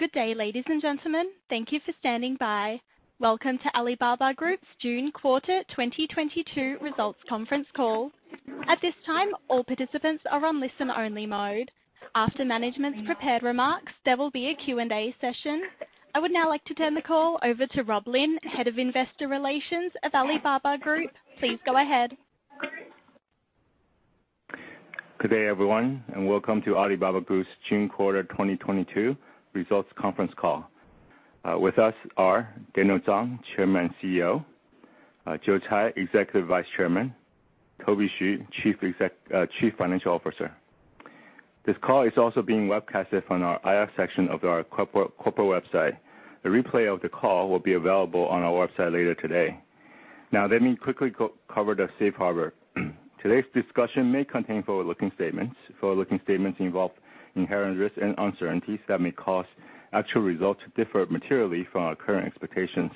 Good day, ladies and gentlemen. Thank you for standing by. Welcome to Alibaba Group's June quarter 2022 results conference call. At this time, all participants are on listen-only mode. After management's prepared remarks, there will be a Q and A session. I would now like to turn the call over to Rob Lin, head of investor relations at Alibaba Group. Please go ahead. Good day, everyone, and welcome to Alibaba Group's June quarter 2022 results conference call. With us are Daniel Zhang, Chairman and CEO, Joe Tsai, Executive Vice Chairman, Toby Xu, Chief Financial Officer. This call is also being webcast on our IR section of our corporate website. A replay of the call will be available on our website later today. Now, let me quickly cover the safe harbor. Today's discussion may contain forward-looking statements. Forward-looking statements involve inherent risks and uncertainties that may cause actual results to differ materially from our current expectations.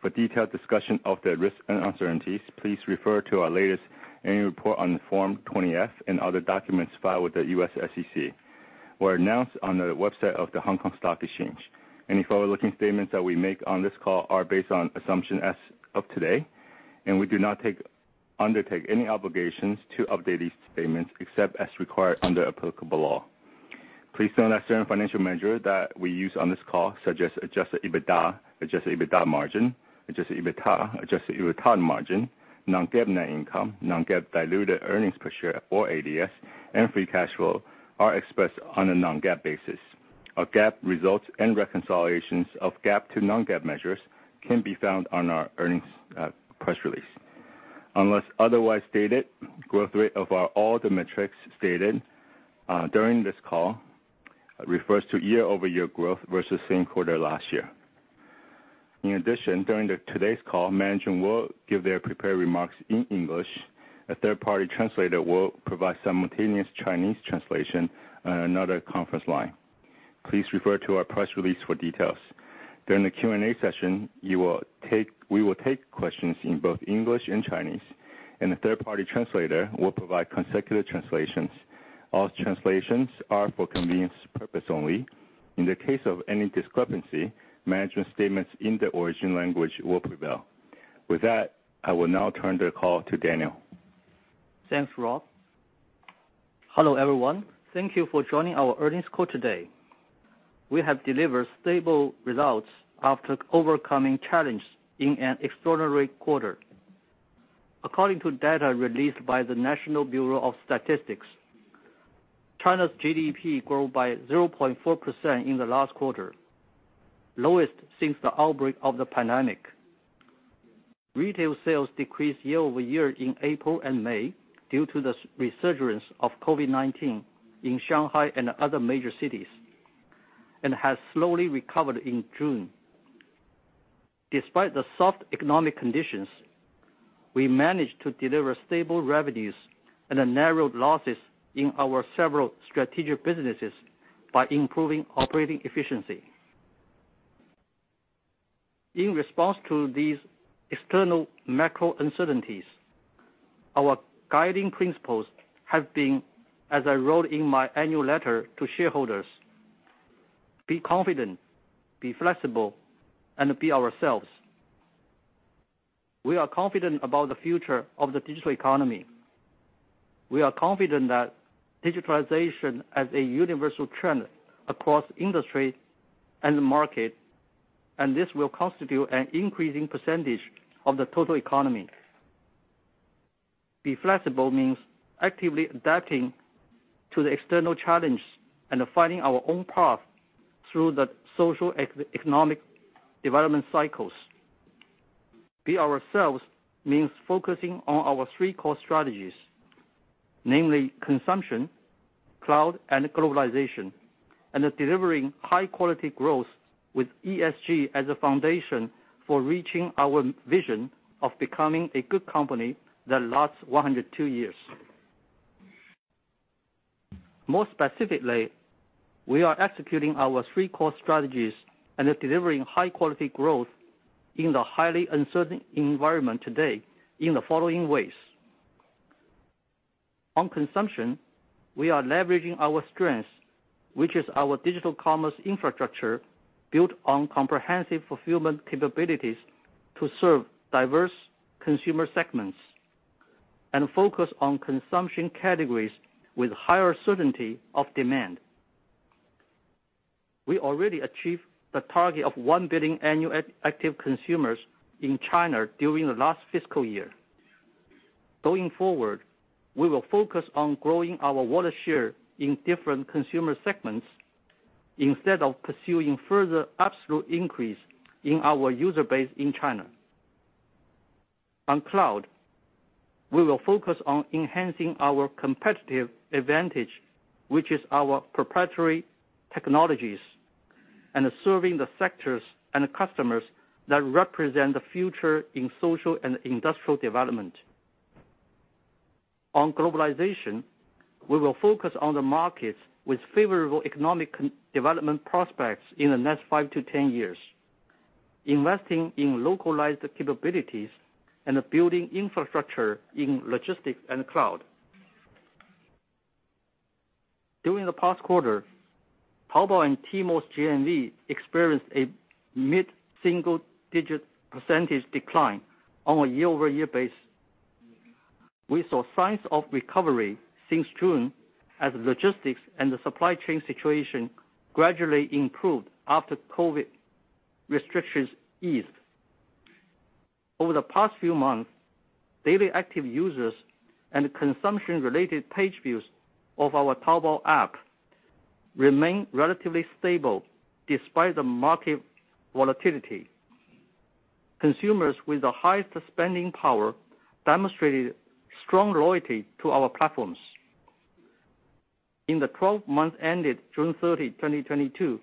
For detailed discussion of the risks and uncertainties, please refer to our latest annual report on the Form 20-F and other documents filed with the U.S. SEC, or announced on the website of the Hong Kong Stock Exchange. Any forward-looking statements that we make on this call are based on assumptions as of today, and we do not undertake any obligations to update these statements except as required under applicable law. Please note that certain financial measures that we use on this call, such as adjusted EBITDA, adjusted EBITDA margin, adjusted EBITA, adjusted EBITA margin, non-GAAP net income, non-GAAP diluted earnings per share or ADS, and free cash flow, are expressed on a non-GAAP basis. Our GAAP results and reconciliations of GAAP to non-GAAP measures can be found on our earnings press release. Unless otherwise stated, growth rate of all the metrics stated during this call refers to year-over-year growth versus same quarter last year. In addition, during today's call, management will give their prepared remarks in English. A third-party translator will provide simultaneous Chinese translation on another conference line. Please refer to our press release for details. During the Q and A session, we will take questions in both English and Chinese, and a third-party translator will provide consecutive translations. All translations are for convenience purposes only. In the case of any discrepancy, management statements in the original language will prevail. With that, I will now turn the call to Daniel. Thanks, Rob. Hello, everyone. Thank you for joining our earnings call today. We have delivered stable results after overcoming challenges in an extraordinary quarter. According to data released by the National Bureau of Statistics, China's GDP grew by 0.4% in the last quarter, lowest since the outbreak of the pandemic. Retail sales decreased year-over-year in April and May due to the resurgence of COVID-19 in Shanghai and other major cities, and has slowly recovered in June. Despite the soft economic conditions, we managed to deliver stable revenues and narrowed losses in our several strategic businesses by improving operating efficiency. In response to these external macro uncertainties, our guiding principles have been, as I wrote in my annual letter to shareholders, "Be confident, be flexible, and be ourselves." We are confident about the future of the digital economy. We are confident that digitalization as a universal trend across industry and the market, and this will constitute an increasing percentage of the total economy. Be flexible means actively adapting to the external challenge and finding our own path through the social economic development cycles. Be ourselves means focusing on our three core strategies, namely consumption, cloud, and globalization, and delivering high quality growth with ESG as a foundation for reaching our vision of becoming a good company that lasts 102 years. More specifically, we are executing our three core strategies and delivering high quality growth in the highly uncertain environment today in the following ways. On consumption, we are leveraging our strengths, which is our digital commerce infrastructure built on comprehensive fulfillment capabilities to serve diverse consumer segments and focus on consumption categories with higher certainty of demand. We already achieved the target of 1 billion annual active consumers in China during the last fiscal year. Going forward, we will focus on growing our wallet share in different consumer segments instead of pursuing further absolute increase in our user base in China. On cloud, we will focus on enhancing our competitive advantage, which is our proprietary technologies, and serving the sectors and the customers that represent the future in social and industrial development. On globalization, we will focus on the markets with favorable economic development prospects in the next five to 10 years, investing in localized capabilities and building infrastructure in logistics and cloud. During the past quarter, Taobao and Tmall's GMV experienced a mid-single-digit % decline on a year-over-year basis. We saw signs of recovery since June as logistics and the supply chain situation gradually improved after COVID restrictions eased. Over the past few months, daily active users and consumption-related page views of our Taobao app remain relatively stable despite the market volatility. Consumers with the highest spending power demonstrated strong loyalty to our platforms. In the 12 months ended June 30, 2022,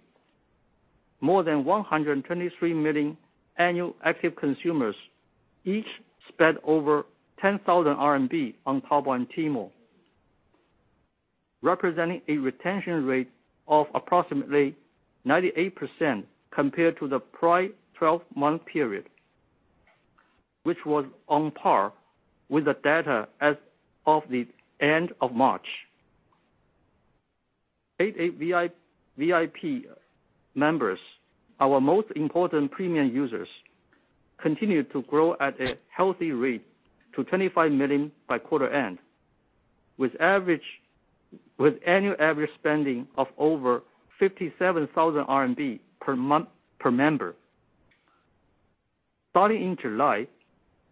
more than 123 million annual active consumers each spent over 10,000 RMB on Taobao and Tmall. Representing a retention rate of approximately 98% compared to the prior 12-month period, which was on par with the data as of the end of March. 88VIP members, our most important premium users, continued to grow at a healthy rate to 25 million by quarter end, with annual average spending of over 57,000 RMB per member. Starting in July,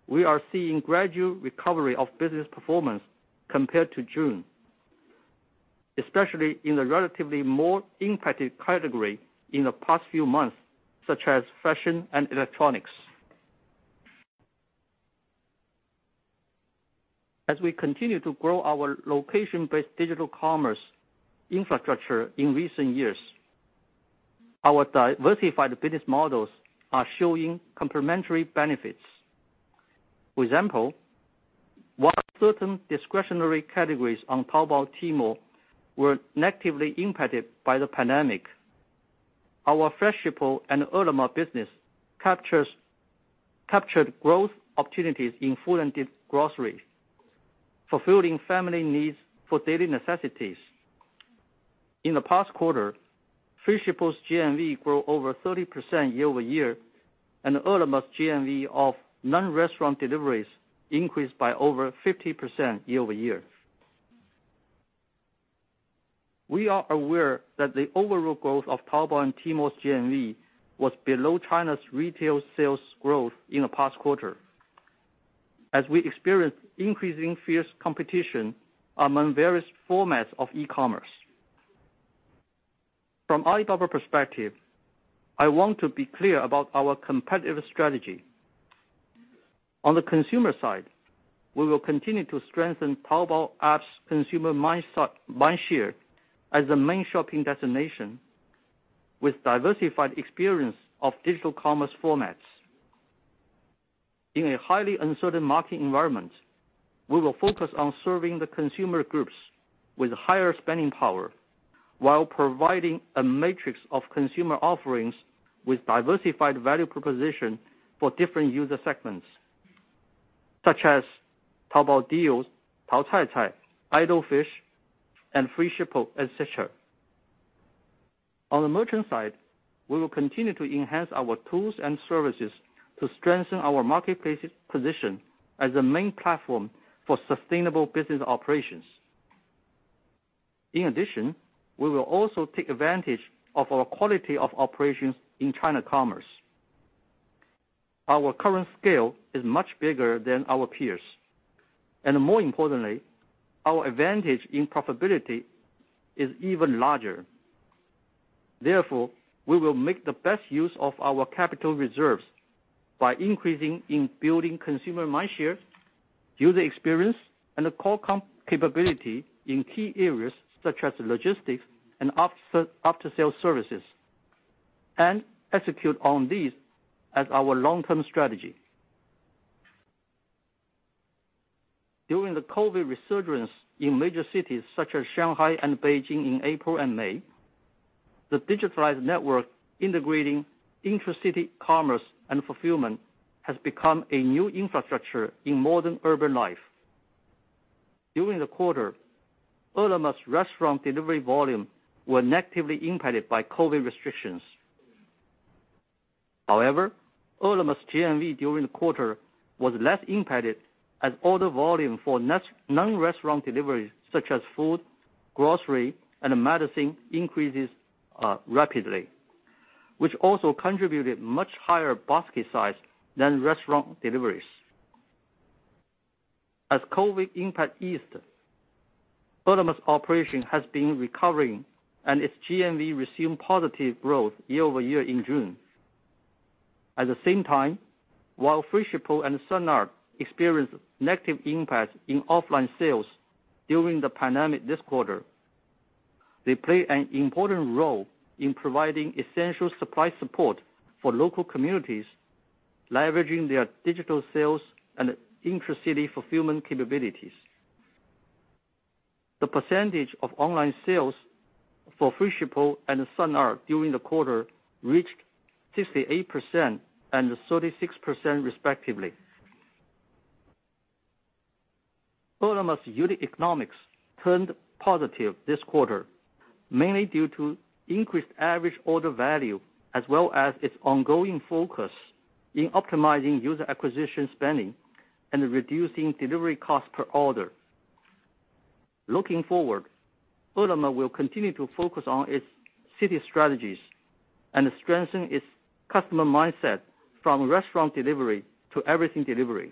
we are seeing gradual recovery of business performance compared to June, especially in the relatively more impacted category in the past few months, such as fashion and electronics. As we continue to grow our location-based digital commerce infrastructure in recent years, our diversified business models are showing complementary benefits. For example, while certain discretionary categories on Taobao, Tmall were negatively impacted by the pandemic, our Freshippo and Ele.me business captured growth opportunities in food and grocery, fulfilling family needs for daily necessities. In the past quarter, Freshippo's GMV grew over 30% year-over-year, and Ele.me's GMV of non-restaurant deliveries increased by over 50% year-over-year. We are aware that the overall growth of Taobao and Tmall's GMV was below China's retail sales growth in the past quarter, as we experienced increasingly fierce competition among various formats of e-commerce. From Alibaba's perspective, I want to be clear about our competitive strategy. On the consumer side, we will continue to strengthen Taobao app's consumer mindshare as the main shopping destination with diversified experience of digital commerce formats. In a highly uncertain market environment, we will focus on serving the consumer groups with higher spending power while providing a matrix of consumer offerings with diversified value proposition for different user segments, such as Taobao Deals, Taocaicai, Idle Fish, and Freshippo, et cetera. On the merchant side, we will continue to enhance our tools and services to strengthen our marketplace position as a main platform for sustainable business operations. In addition, we will also take advantage of our quality of operations in China commerce. Our current scale is much bigger than our peers, and more importantly, our advantage in profitability is even larger. Therefore, we will make the best use of our capital reserves by investing in building consumer mindshare, user experience, and the core capability in key areas such as logistics and after-sale services, and execute on these as our long-term strategy. During the COVID resurgence in major cities such as Shanghai and Beijing in April and May, the digitalized network integrating intracity commerce and fulfillment has become a new infrastructure in modern urban life. During the quarter, Ele.me's restaurant delivery volume were negatively impacted by COVID restrictions. However, Ele.me's GMV during the quarter was less impacted as order volume for non-restaurant deliveries such as food, grocery, and medicine increases, rapidly, which also contributed much higher basket size than restaurant deliveries. As COVID impact eased, Ele.me's operation has been recovering and its GMV resumed positive growth year over year in June. At the same time, while Freshippo and Sun Art experienced negative impacts in offline sales during the pandemic this quarter, they play an important role in providing essential supply support for local communities, leveraging their digital sales and intracity fulfillment capabilities. The percentage of online sales for Freshippo and Sun Art during the quarter reached 68% and 36% respectively. Ele.me's unit economics turned positive this quarter, mainly due to increased average order value, as well as its ongoing focus in optimizing user acquisition spending and reducing delivery cost per order. Looking forward, Ele.me will continue to focus on its city strategies and strengthen its customer mindset from restaurant delivery to everything delivery,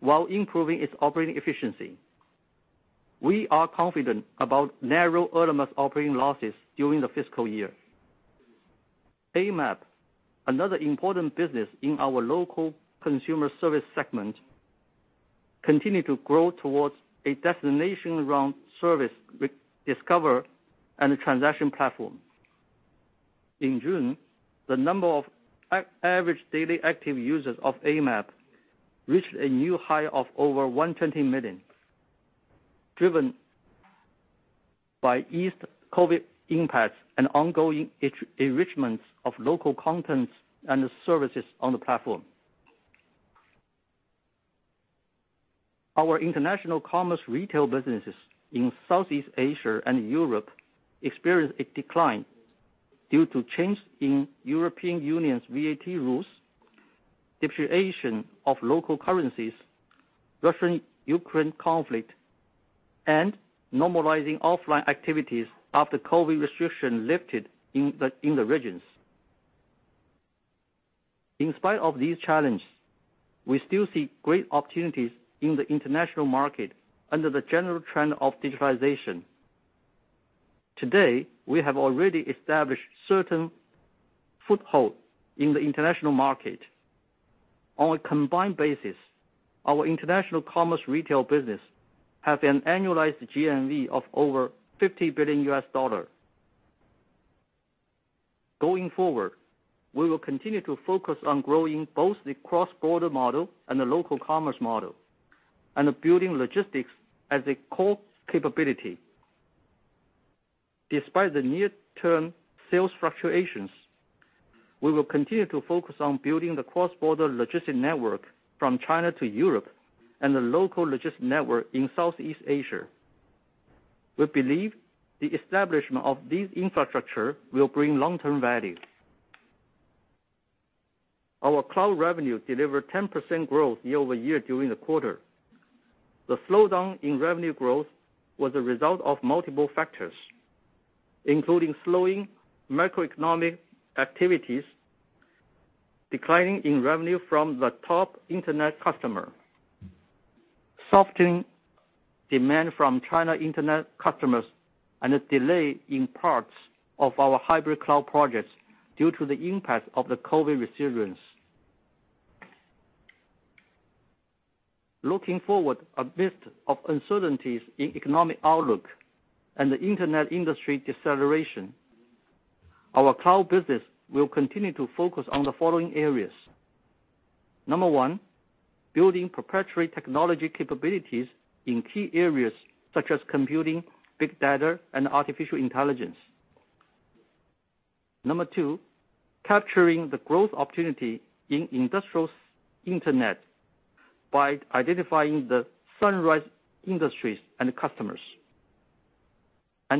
while improving its operating efficiency. We are confident about narrowing Ele.me's operating losses during the fiscal year. Amap, another important business in our local consumer service segment, continue to grow towards a destination around service with discovery and transaction platform. In June, the number of average daily active users of Amap reached a new high of over 120 million, driven by eased COVID impacts and ongoing enrichment of local contents and services on the platform. Our international commerce retail businesses in Southeast Asia and Europe experienced a decline due to change in European Union's VAT rules, depreciation of local currencies, Russia-Ukraine conflict, and normalizing offline activities after COVID restriction lifted in the regions. In spite of these challenges, we still see great opportunities in the international market under the general trend of digitalization. Today, we have already established certain foothold in the international market. On a combined basis, our international commerce retail business have an annualized GMV of over $50 billion. Going forward, we will continue to focus on growing both the cross-border model and the local commerce model, and building logistics as a core capability. Despite the near-term sales fluctuations, we will continue to focus on building the cross-border logistic network from China to Europe and the local logistic network in Southeast Asia. We believe the establishment of this infrastructure will bring long-term value. Our cloud revenue delivered 10% growth year-over-year during the quarter. The slowdown in revenue growth was a result of multiple factors, including slowing macroeconomic activities, decline in revenue from the top internet customer, softening demand from China internet customers, and a delay in parts of our hybrid cloud projects due to the impact of the COVID-19 resurgence. Looking forward, amidst uncertainties in economic outlook and the internet industry deceleration, our cloud business will continue to focus on the following areas. Number one, building proprietary technology capabilities in key areas such as computing, big data, and artificial intelligence. Number two, capturing the growth opportunity in industrial internet by identifying the sunrise industries and customers.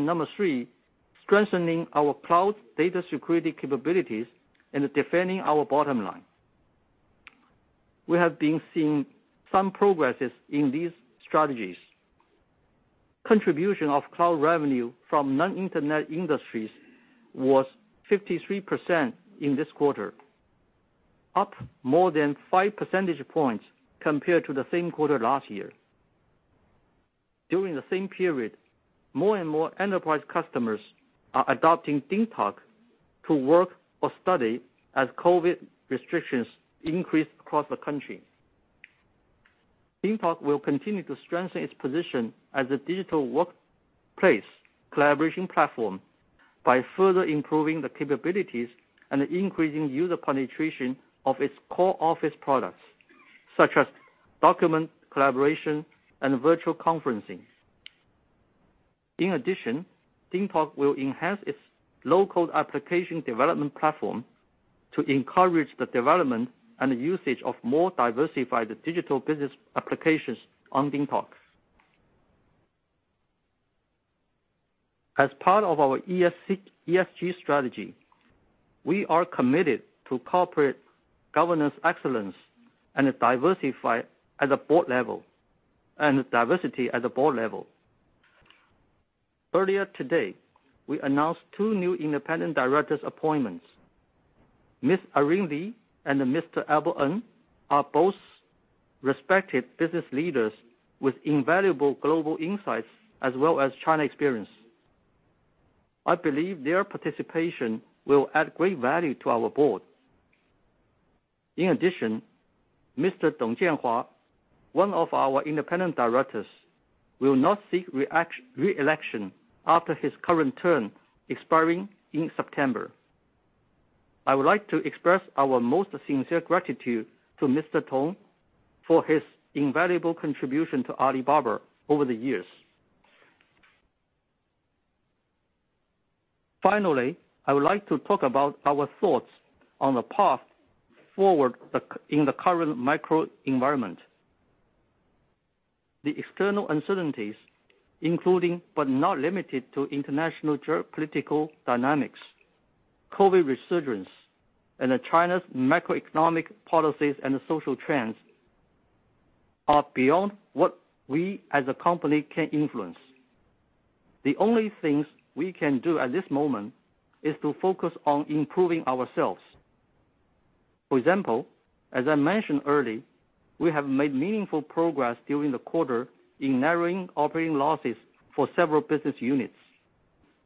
Number three, strengthening our cloud data security capabilities and defending our bottom line. We have been seeing some progress in these strategies. Contribution of cloud revenue from non-internet industries was 53% in this quarter, up more than five percentage points compared to the same quarter last year. During the same period, more and more enterprise customers are adopting DingTalk to work or study as COVID restrictions increase across the country. DingTalk will continue to strengthen its position as a digital workplace collaboration platform by further improving the capabilities and increasing user penetration of its core office products, such as document collaboration and virtual conferencing. In addition, DingTalk will enhance its low-code application development platform to encourage the development and usage of more diversified digital business applications on DingTalk. As part of our ESG strategy, we are committed to corporate governance excellence and diversity at the board level. Earlier today, we announced two new independent directors' appointments. Ms. Irene Lee and Mr. Albert Ng are both respected business leaders with invaluable global insights as well as China experience. I believe their participation will add great value to our board. In addition, Mr. Dong Jianhua, one of our independent directors, will not seek re-election after his current term expiring in September. I would like to express our most sincere gratitude to Mr. Tong for his invaluable contribution to Alibaba over the years. Finally, I would like to talk about our thoughts on the path forward in the current macro environment. The external uncertainties, including but not limited to international geopolitical dynamics, COVID resurgence, and China's macroeconomic policies and social trends are beyond what we as a company can influence. The only things we can do at this moment is to focus on improving ourselves. For example, as I mentioned earlier, we have made meaningful progress during the quarter in narrowing operating losses for several business units,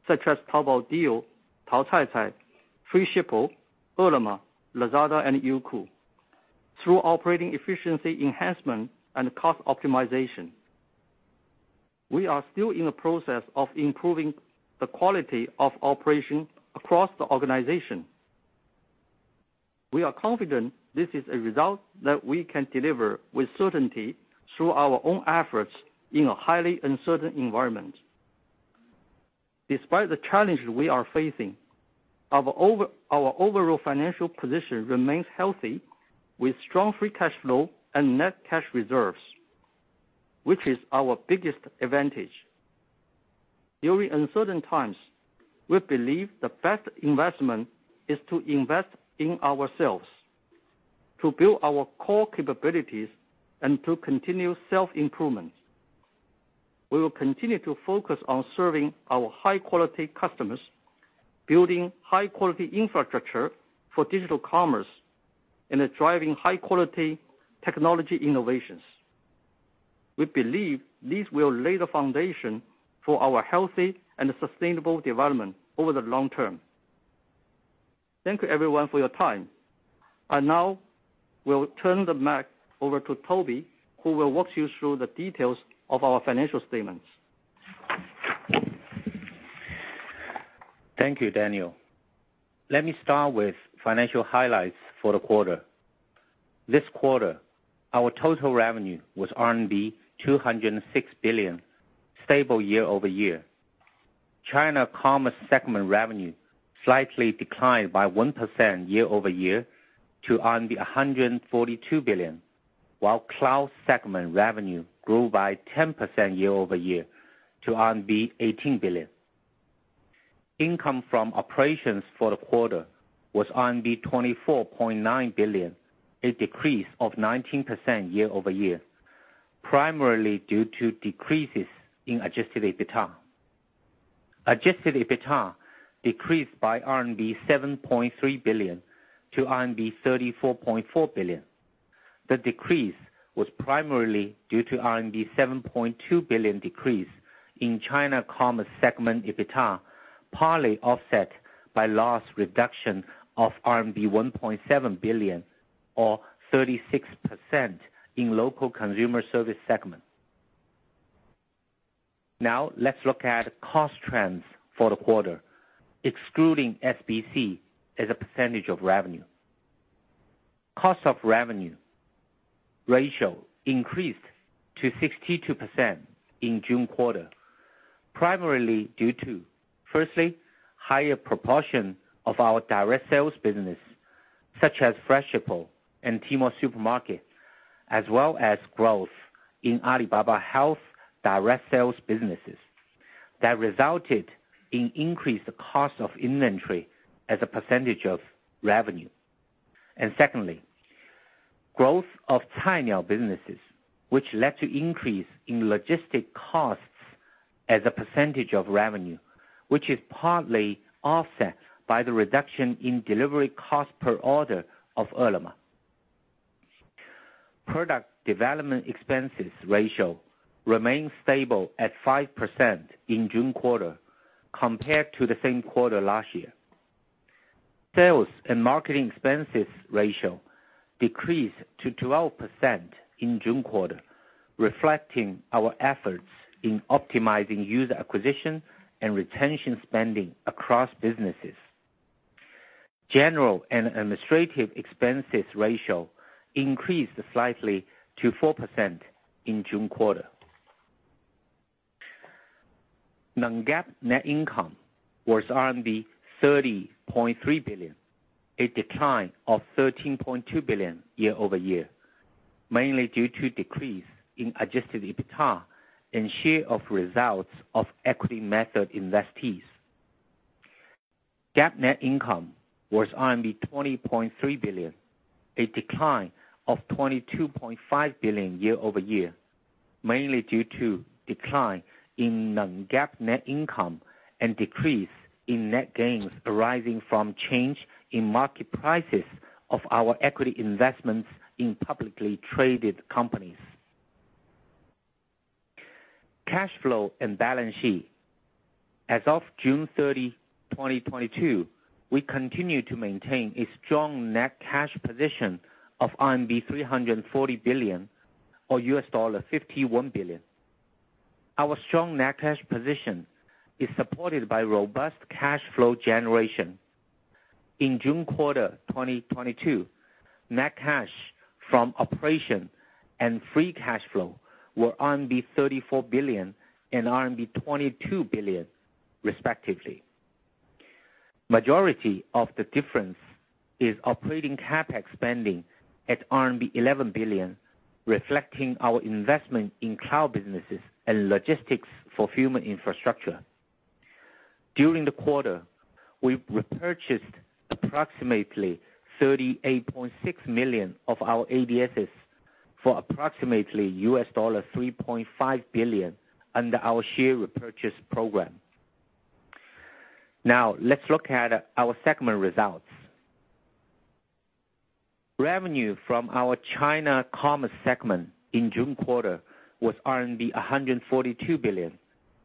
such as Taobao Deals, Taocaicai, Freshippo, Ele.me, Lazada, and Youku, through operating efficiency enhancement and cost optimization. We are still in the process of improving the quality of operation across the organization. We are confident this is a result that we can deliver with certainty through our own efforts in a highly uncertain environment. Despite the challenges we are facing, our overall financial position remains healthy, with strong free cash flow and net cash reserves, which is our biggest advantage. During uncertain times, we believe the best investment is to invest in ourselves, to build our core capabilities and to continue self-improvement. We will continue to focus on serving our high quality customers, building high quality infrastructure for digital commerce, and driving high quality technology innovations. We believe this will lay the foundation for our healthy and sustainable development over the long term. Thank you everyone for your time. I now will turn the mic over to Toby, who will walk you through the details of our financial statements. Thank you, Daniel. Let me start with financial highlights for the quarter. This quarter, our total revenue was RMB 206 billion, stable year-over-year. China Commerce segment revenue slightly declined by 1% year-over-year to 142 billion, while Cloud segment revenue grew by 10% year-over-year to 18 billion. Income from operations for the quarter was RMB 24.9 billion, a decrease of 19% year-over-year, primarily due to decreases in adjusted EBITDA. Adjusted EBITDA decreased by RMB 7.3 billion to RMB 34.4 billion. The decrease was primarily due to RMB 7.2 billion decrease in China Commerce segment EBITDA, partly offset by loss reduction of RMB 1.7 billion or 36% in Local Consumer Services segment. Now let's look at cost trends for the quarter, excluding SBC as a percentage of revenue. Cost of revenue ratio increased to 62% in June quarter, primarily due to, firstly, higher proportion of our direct sales business such as Freshippo and Tmall Supermarket, as well as growth in Alibaba Health direct sales businesses that resulted in increased cost of inventory as a percentage of revenue. Secondly, growth of Cainiao businesses, which led to increase in logistics costs as a percentage of revenue, which is partly offset by the reduction in delivery cost per order of Ele.me. Product development expenses ratio remained stable at 5% in June quarter compared to the same quarter last year. Sales and marketing expenses ratio decreased to 12% in June quarter, reflecting our efforts in optimizing user acquisition and retention spending across businesses. General and administrative expenses ratio increased slightly to 4% in June quarter. Non-GAAP net income was RMB 30.3 billion, a decline of 13.2 billion year-over-year, mainly due to decrease in adjusted EBITDA and share of results of equity method investees. GAAP net income was RMB 20.3 billion, a decline of 22.5 billion year-over-year, mainly due to decline in non-GAAP net income and decrease in net gains arising from change in market prices of our equity investments in publicly traded companies. Cash flow and balance sheet. As of June 30, 2022, we continue to maintain a strong net cash position of RMB 340 billion or $51 billion. Our strong net cash position is supported by robust cash flow generation. In June quarter 2022, net cash from operation and free cash flow were RMB 34 billion and RMB 22 billion respectively. Majority of the difference is operating CapEx spending at RMB 11 billion, reflecting our investment in cloud businesses and logistics fulfillment infrastructure. During the quarter, we repurchased approximately 38.6 million of our ADSs for approximately $3.5 billion under our share repurchase program. Now let's look at our segment results. Revenue from our China commerce segment in June quarter was RMB 142 billion,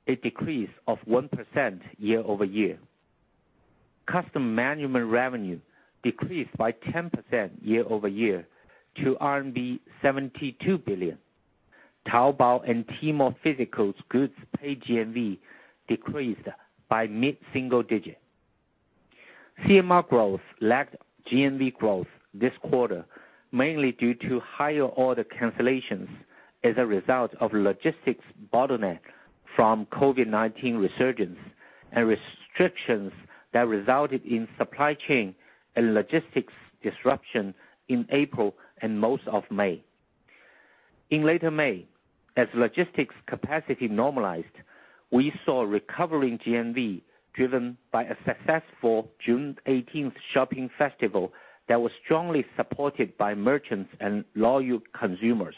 a decrease of 1% year-over-year. Customer management revenue decreased by 10% year-over-year to RMB 72 billion. Taobao and Tmall physical goods paid GMV decreased by mid-single-digit. Customer management revenue growth lagged GMV growth this quarter, mainly due to higher order cancellations as a result of logistics bottleneck from COVID-19 resurgence and restrictions that resulted in supply chain and logistics disruption in April and most of May. In later May, as logistics capacity normalized, we saw recovering GMV driven by a successful June 18th shopping festival that was strongly supported by merchants and loyal consumers.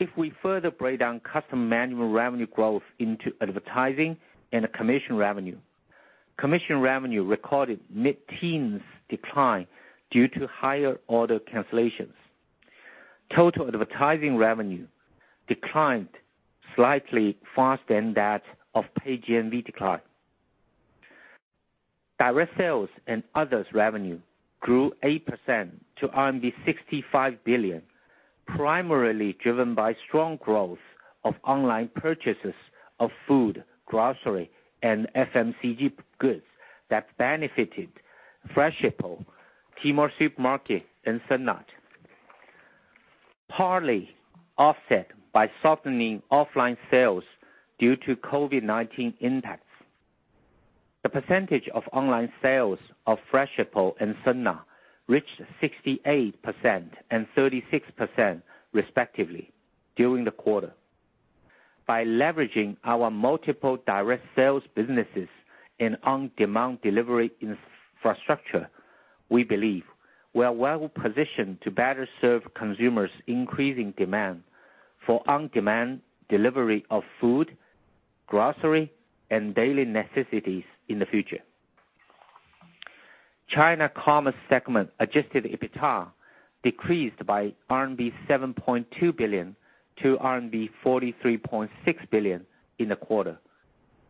If we further break down customer management revenue growth into advertising and commission revenue, commission revenue recorded mid-teens decline due to higher order cancellations. Total advertising revenue declined slightly faster than that of paid GMV decline. Direct sales and others revenue grew 8% to RMB 65 billion, primarily driven by strong growth of online purchases of food, grocery, and FMCG goods that benefited Freshippo, Tmall Supermarket, and Sun Art, partly offset by softening offline sales due to COVID-19 impacts. The percentage of online sales of Freshippo and Sun Art reached 68% and 36% respectively during the quarter. By leveraging our multiple direct sales businesses and on-demand delivery infrastructure, we believe we are well positioned to better serve consumers' increasing demand for on-demand delivery of food, grocery, and daily necessities in the future. China Commerce segment adjusted EBITDA decreased by RMB 7.2 billion to RMB 43.6 billion in the quarter,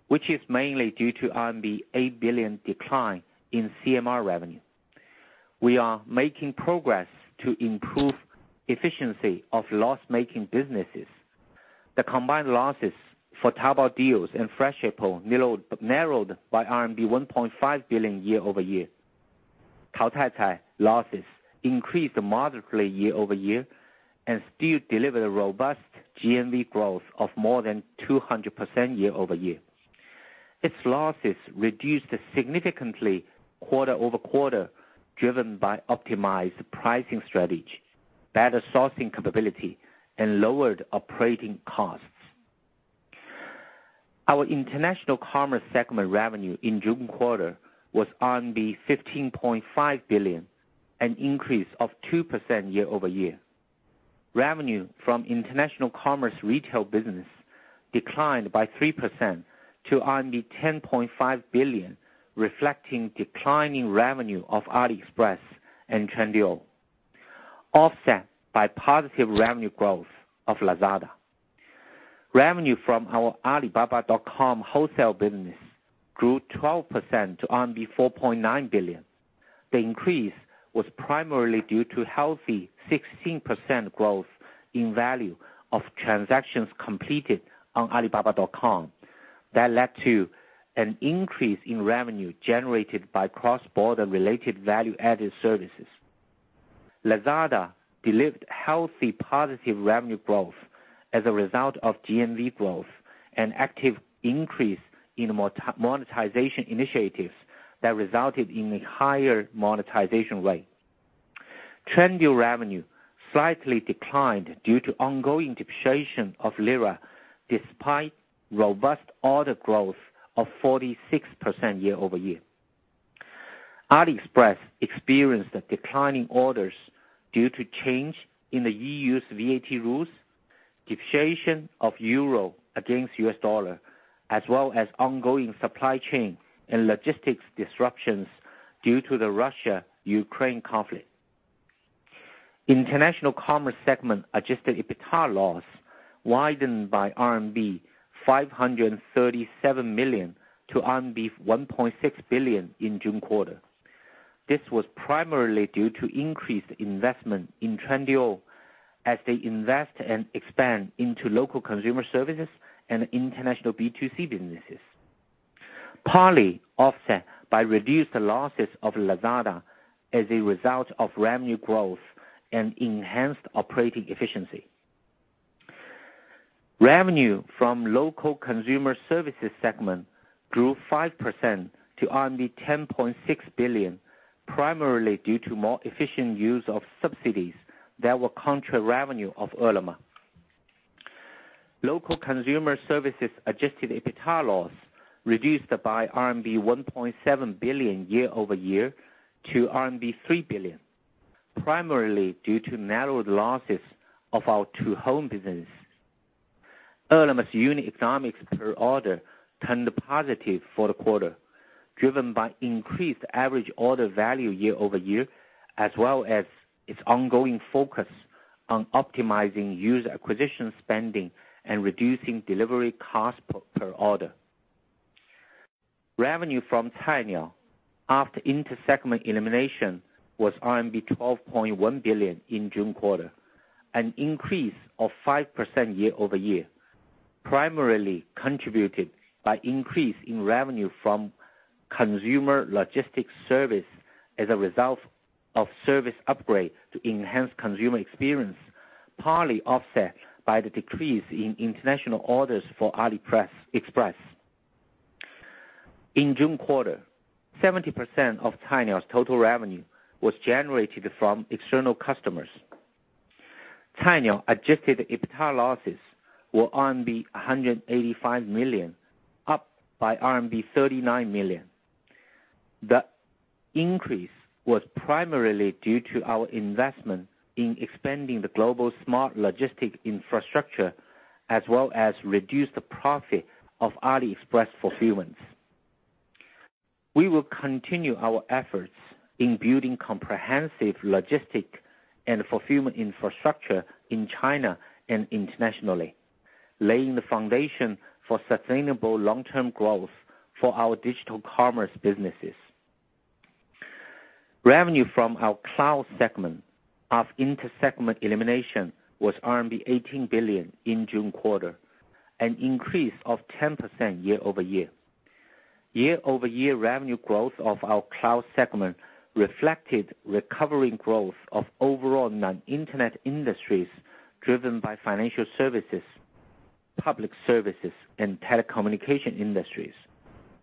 which is mainly due to RMB 8 billion decline in CMR revenue. We are making progress to improve efficiency of loss-making businesses. The combined losses for Taobao Deals and Freshippo narrowed by RMB 1.5 billion year-over-year. Taocaicai losses increased moderately year-over-year and still delivered a robust GMV growth of more than 200% year-over-year. Its losses reduced significantly quarter-over-quarter, driven by optimized pricing strategy, better sourcing capability, and lowered operating costs. Our international commerce segment revenue in June quarter was 15.5 billion, an increase of 2% year-over-year. Revenue from international commerce retail business declined by 3% to RMB 10.5 billion, reflecting declining revenue of AliExpress and Trendyol, offset by positive revenue growth of Lazada. Revenue from our Alibaba.com wholesale business grew 12% to RMB 4.9 billion. The increase was primarily due to healthy 16% growth in value of transactions completed on Alibaba.com. That led to an increase in revenue generated by cross-border related value-added services. Lazada delivered healthy positive revenue growth as a result of GMV growth and active increase in monetization initiatives that resulted in a higher monetization rate. Trendyol revenue slightly declined due to ongoing depreciation of lira despite robust order growth of 46% year-over-year. AliExpress experienced a decline in orders due to change in the EU's VAT rules, depreciation of euro against U.S. dollar, as well as ongoing supply chain and logistics disruptions due to the Russia-Ukraine conflict. International commerce segment adjusted EBITDA loss widened by RMB 537 million to RMB 1.6 billion in June quarter. This was primarily due to increased investment in Lazada as they invest and expand into local consumer services and international B2C businesses, partly offset by reduced losses of Lazada as a result of revenue growth and enhanced operating efficiency. Revenue from local consumer services segment grew 5% to RMB 10.6 billion, primarily due to more efficient use of subsidies that were contra revenue of Ele.me. Local consumer services adjusted EBITDA loss reduced by RMB 1.7 billion year-over-year to RMB 3 billion, primarily due to narrowed losses of our two home businesses. Ele.me's unit economics per order turned positive for the quarter, driven by increased average order value year-over-year, as well as its ongoing focus on optimizing user acquisition spending and reducing delivery costs per order. Revenue from Cainiao after inter-segment elimination was RMB 12.1 billion in June quarter, an increase of 5% year-over-year, primarily contributed by increase in revenue from consumer logistics service as a result of service upgrade to enhance consumer experience, partly offset by the decrease in international orders for AliExpress. In June quarter, 70% of Cainiao's total revenue was generated from external customers. Cainiao adjusted EBITDA losses were RMB 185 million, up by RMB 39 million. The increase was primarily due to our investment in expanding the global smart logistic infrastructure, as well as reduced profit of AliExpress Fulfillment. We will continue our efforts in building comprehensive logistic and fulfillment infrastructure in China and internationally, laying the foundation for sustainable long-term growth for our digital commerce businesses. Revenue from our cloud segment of inter-segment elimination was RMB 18 billion in June quarter, an increase of 10% year-over-year. Year-over-year revenue growth of our cloud segment reflected recovering growth of overall non-internet industries, driven by financial services, public services, and telecommunication industries,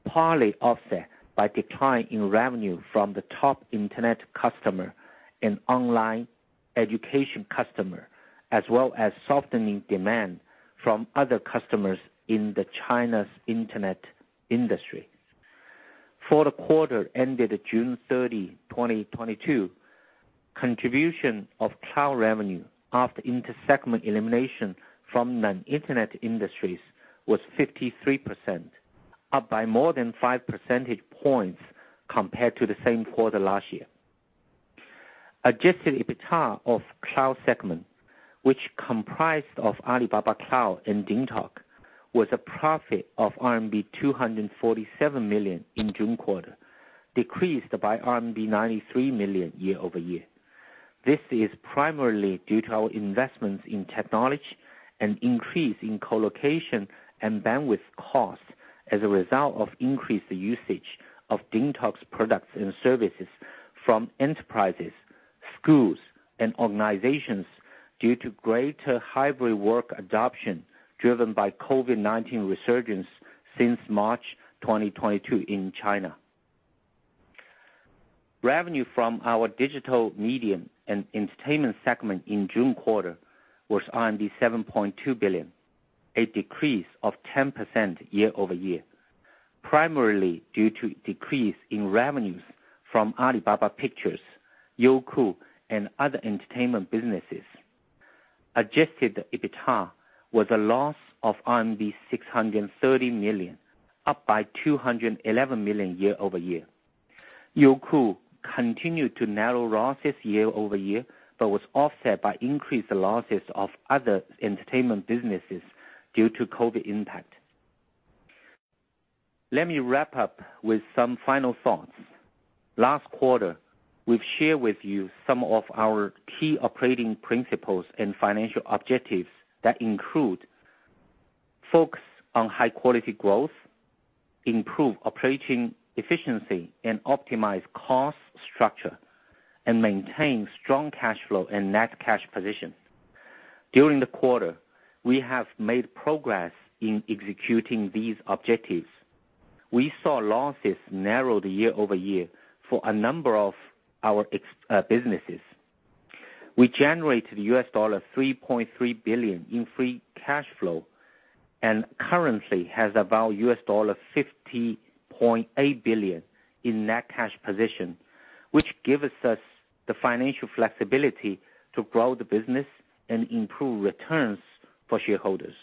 partly offset by decline in revenue from the top internet customer and online education customer, as well as softening demand from other customers in China's internet industry. For the quarter ended June 30, 2022, contribution of cloud revenue after inter-segment elimination from non-internet industries was 53%, up by more than 5 percentage points compared to the same quarter last year. Adjusted EBITDA of cloud segment, which comprised of Alibaba Cloud and DingTalk, was a profit of RMB 247 million in June quarter, decreased by RMB 93 million year-over-year. This is primarily due to our investments in technology and increase in colocation and bandwidth costs as a result of increased usage of DingTalk's products and services from enterprises, schools, and organizations due to greater hybrid work adoption, driven by COVID-19 resurgence since March 2022 in China. Revenue from our digital media and entertainment segment in June quarter was 7.2 billion, a decrease of 10% year-over-year, primarily due to decrease in revenues from Alibaba Pictures, Youku, and other entertainment businesses. Adjusted EBITDA was a loss of RMB 630 million, up by 211 million year-over-year. Youku continued to narrow losses year-over-year, but was offset by increased losses of other entertainment businesses due to COVID impact. Let me wrap up with some final thoughts. Last quarter, we've shared with you some of our key operating principles and financial objectives that include focus on high quality growth, improve operating efficiency, and optimize cost structure, and maintain strong cash flow and net cash position. During the quarter, we have made progress in executing these objectives. We saw losses narrowed year over year for a number of our businesses. We generated $3.3 billion in free cash flow, and currently has about $50.8 billion in net cash position, which gives us the financial flexibility to grow the business and improve returns for shareholders.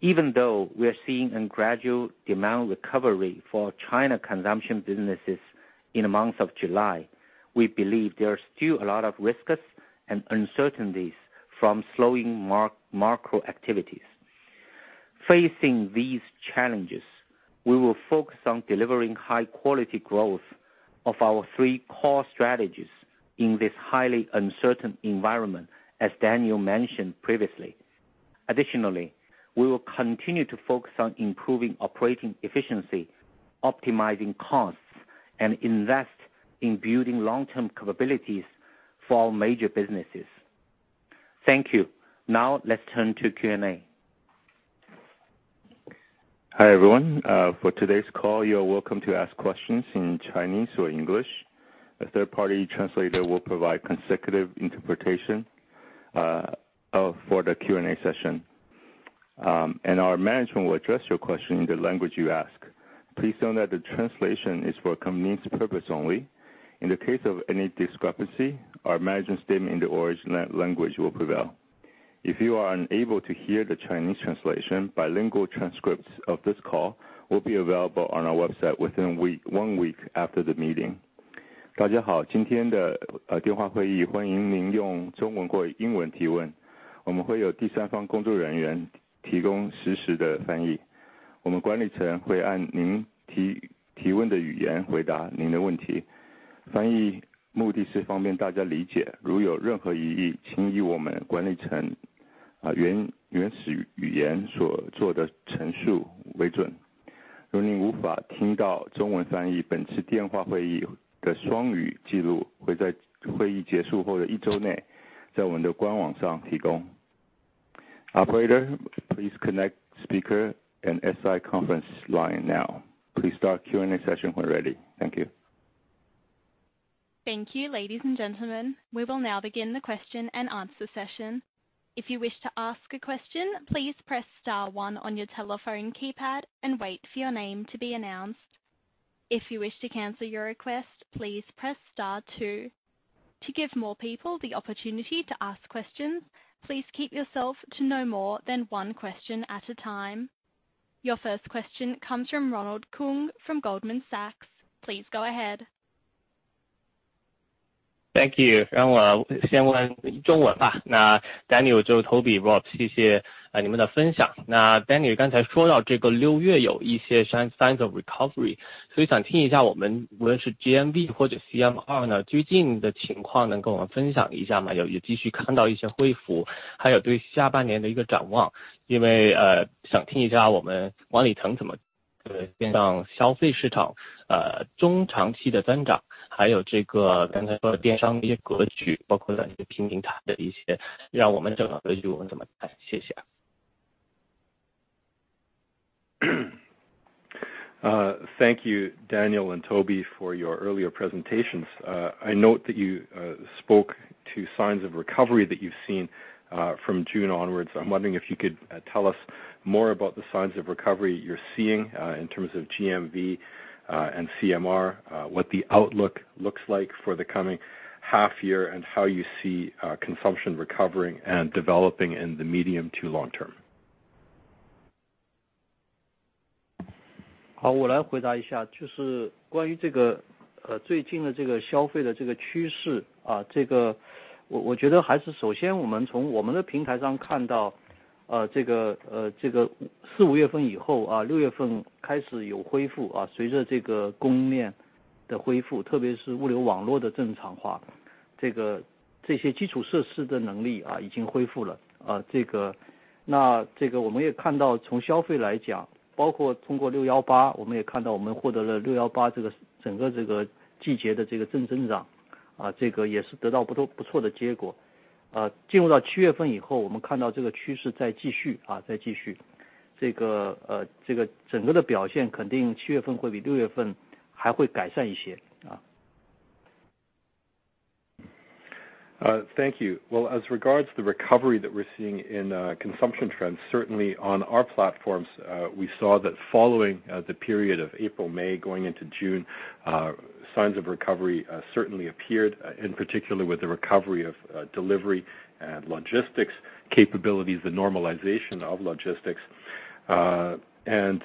Even though we are seeing a gradual demand recovery for China consumption businesses in the month of July, we believe there are still a lot of risks and uncertainties from slowing macro activities. Facing these challenges, we will focus on delivering high quality growth of our three core strategies in this highly uncertain environment, as Daniel mentioned previously. Additionally, we will continue to focus on improving operating efficiency, optimizing costs, and invest in building long-term capabilities for our major businesses. Thank you. Now let's turn to Q and A. Hi everyone. For today's call, you are welcome to ask questions in Chinese or English. A third party translator will provide consecutive interpretation for the Q and A session. Our management will address your question in the language you ask. Please note that the translation is for company's purpose only. In the case of any discrepancy, our management statement in the original language will prevail. If you are unable to hear the Chinese translation, bilingual transcripts of this call will be available on our website within one week after the meeting. 大家好，今天的电话会议欢迎您用中文或英文提问。我们会有第三方工作人员提供实时的翻译。我们管理层会按您提问的语言回答您的问题。翻译目的是方便大家理解，如有任何疑义，请以我们管理层原始语言所做的陈述为准。如您无法听到中文翻译，本次电话会议的双语记录会在会议结束后的一周内在我们的官网上提供。Operator, please connect speaker and SI conference line now. Please start Q and A session when ready. Thank you. Thank you. Ladies and gentlemen, we will now begin the question and answer session. If you wish to ask a question, please press star one on your telephone keypad and wait for your name to be announced. If you wish to cancel your request, please press star two. To give more people the opportunity to ask questions, please keep yourself to no more than one question at a time. Your first question comes from Ronald Keung from Goldman Sachs. Please go ahead. 让我先问中文吧。那Daniel、Toby、Rob，谢谢你们的分享。那Daniel刚才说到这个六月有一些signs of recovery，所以想听一下我们无论是GMV或者CMR呢，最近的情况呢，跟我们分享一下吗？有也继续看到一些恢复，还有对下半年的一个展望。因为想听一下我们管理层怎么看消费市场，中长期的增长，还有这个刚才说电商的格局，包括在平台的一些让我们正常的疑问怎么看。谢谢。Thank you, Daniel and Toby, for your earlier presentations. I note that you spoke to signs of recovery that you've seen from June onwards. I'm wondering if you could tell us more about the signs of recovery you're seeing in terms of GMV and CMR, what the outlook looks like for the coming half year, and how you see consumption recovering and developing in the medium to long term. Thank you. Well as regards the recovery that we're seeing in consumption trends, certainly on our platforms, we saw that following the period of April, May, going into June, signs of recovery certainly appeared, in particular with the recovery of delivery and logistics capabilities, the normalization of logistics, and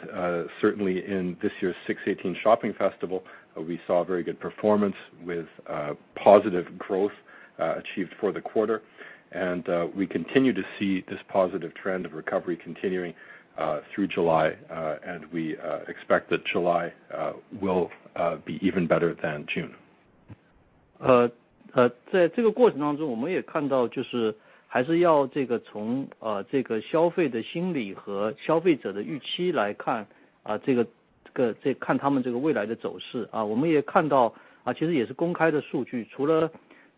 certainly in this year 618 shopping festival, we saw very good performance with positive growth achieved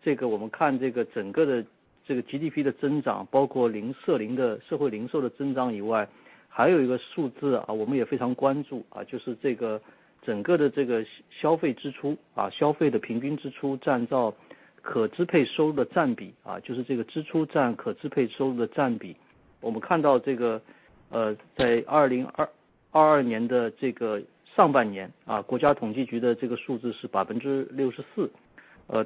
for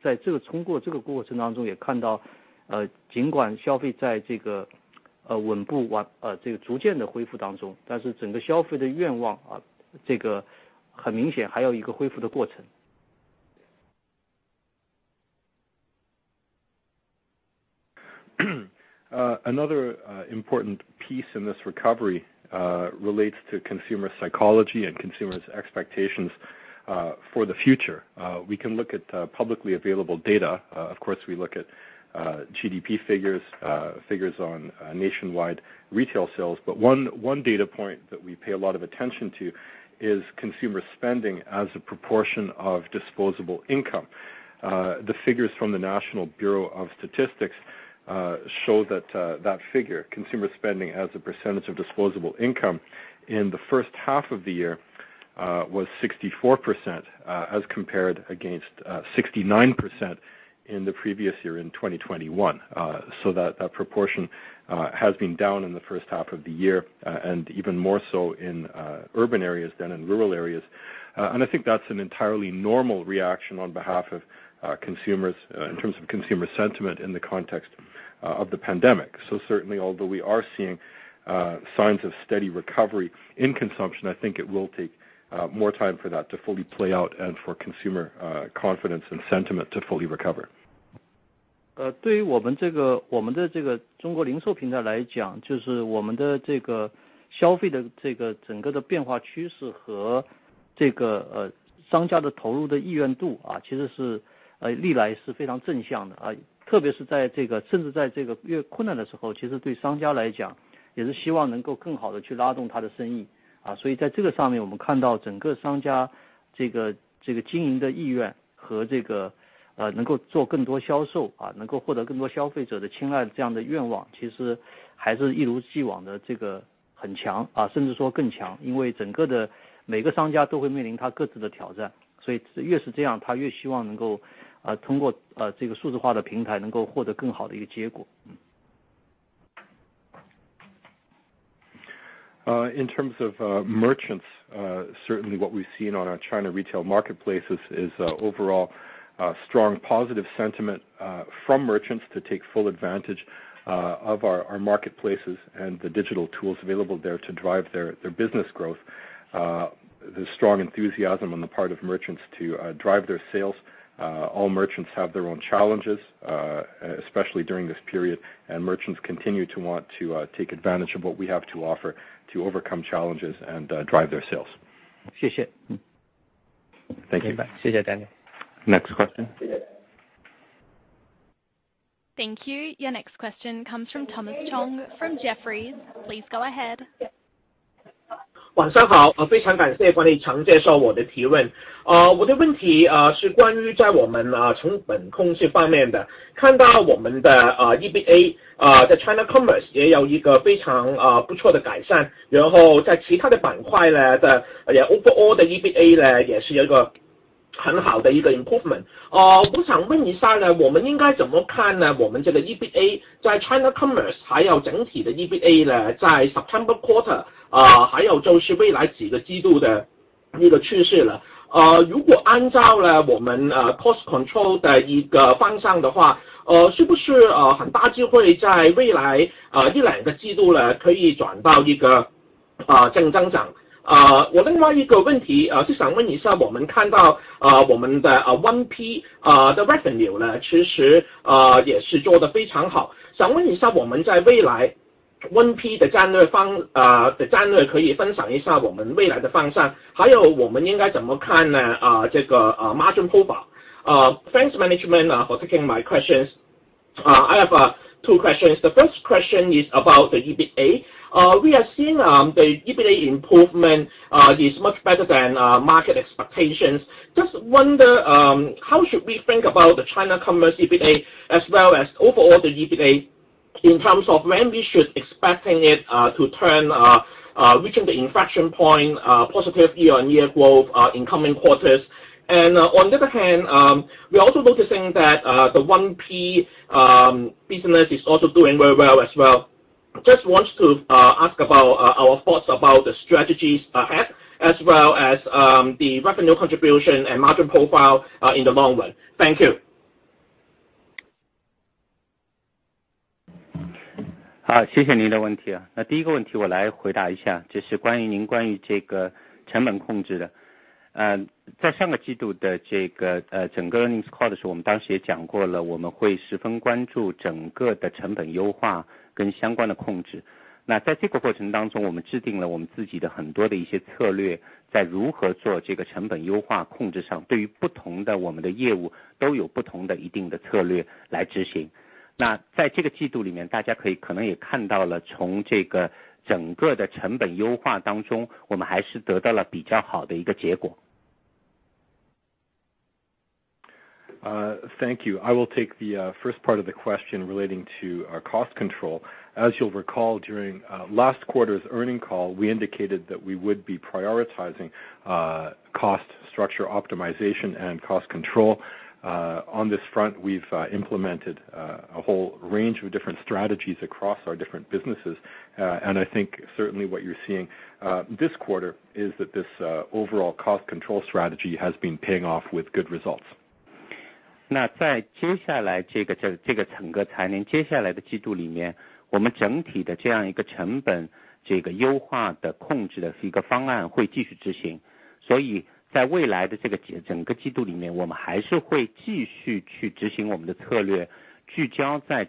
the quarter. We continue to see this positive trend of recovery continuing through July, and we expect that July will be even better than June. 在这个过程当中，我们也看到，还是要从消费的心理和消费者的预期来看，这个未来的走势。我们也看到，其实也是公开的数据，除了我们看整个的GDP的增长，包括涉零的社会零售的增长以外，还有一个数字，我们也非常关注，就是整个的消费支出，消费的平均支出占到可支配收入的占比，就是支出占可支配收入的占比。我们看到，在2022年的上半年，国家统计局的数字是64%，但是去年2021年是69%，所以这个还是有明显的一个下降。同时我们也看到，在城镇的收支比的下降幅度，应该看到比在农村还要更大一些。在这个疫情下，包括在宏观经济走势的消费者预期下，我想这也是一个正常的反应啊。所以我们也通过这个过程当中看到，尽管消费在稳步逐渐的恢复当中，但是整个消费的愿望，这个很明显还要一个恢复的过程。Another important piece in this recovery relates to consumer psychology and consumers expectations for the future. We can look at publicly available data, of course we look at GDP figures on nationwide retail sales. One data point that we pay a lot of attention to is consumer spending as a proportion of disposable income. The figures from the National Bureau of Statistics show that figure consumer spending as a percentage of disposable income in the first half of the year was 64% as compared against 69% in the previous year in 2021. That proportion has been down in the first half of the year and even more so in urban areas than in rural areas. I think that's an entirely normal reaction on behalf of consumers in terms of consumer sentiment in the context of the pandemic. Certainly, although we are seeing signs of steady recovery in consumption, I think it will take more time for that to fully play out and for consumer confidence and sentiment to fully recover. In terms of merchants, certainly what we've seen on our China retail marketplaces is overall a strong positive sentiment from merchants to take full advantage of our marketplaces and the digital tools available there to drive their business growth, the strong enthusiasm on the part of merchants to drive their sales. All merchants have their own challenges, especially during this period. Merchants continue to want to take advantage of what we have to offer to overcome challenges and drive their sales. 谢谢。Thank you. Thank you, Daniel. Next question. Thank you. Your next question comes from Thomas Chong from Jefferies. Please go ahead. Thanks, management, for taking my questions. I have two questions. The first question is about the EBITDA. We are seeing the EBITDA improvement is much better than market expectations. Just wonder how should we think about the China Commerce EBITDA as well as overall the EBITDA in terms of when we should expecting it to turn which is the inflection point positively on year growth in coming quarters. On the other hand, we're also noticing that the 1P business is also doing very well as well. Just want to ask about our thoughts about the strategies ahead as well as the revenue contribution and margin profile in the long run. Thank you. 好，谢谢您的问题。那第一个问题我来回答一下，就是关于您关于这个成本控制的。在上个季度的这个整个earnings Thank you. I will take the first part of the question relating to our cost control. As you'll recall, during last quarter's earnings call, we indicated that we would be prioritizing cost structure optimization and cost control. On this front, we've implemented a whole range of different strategies across our different businesses. I think certainly what you're seeing this quarter is that this overall cost control strategy has been paying off with good results. In the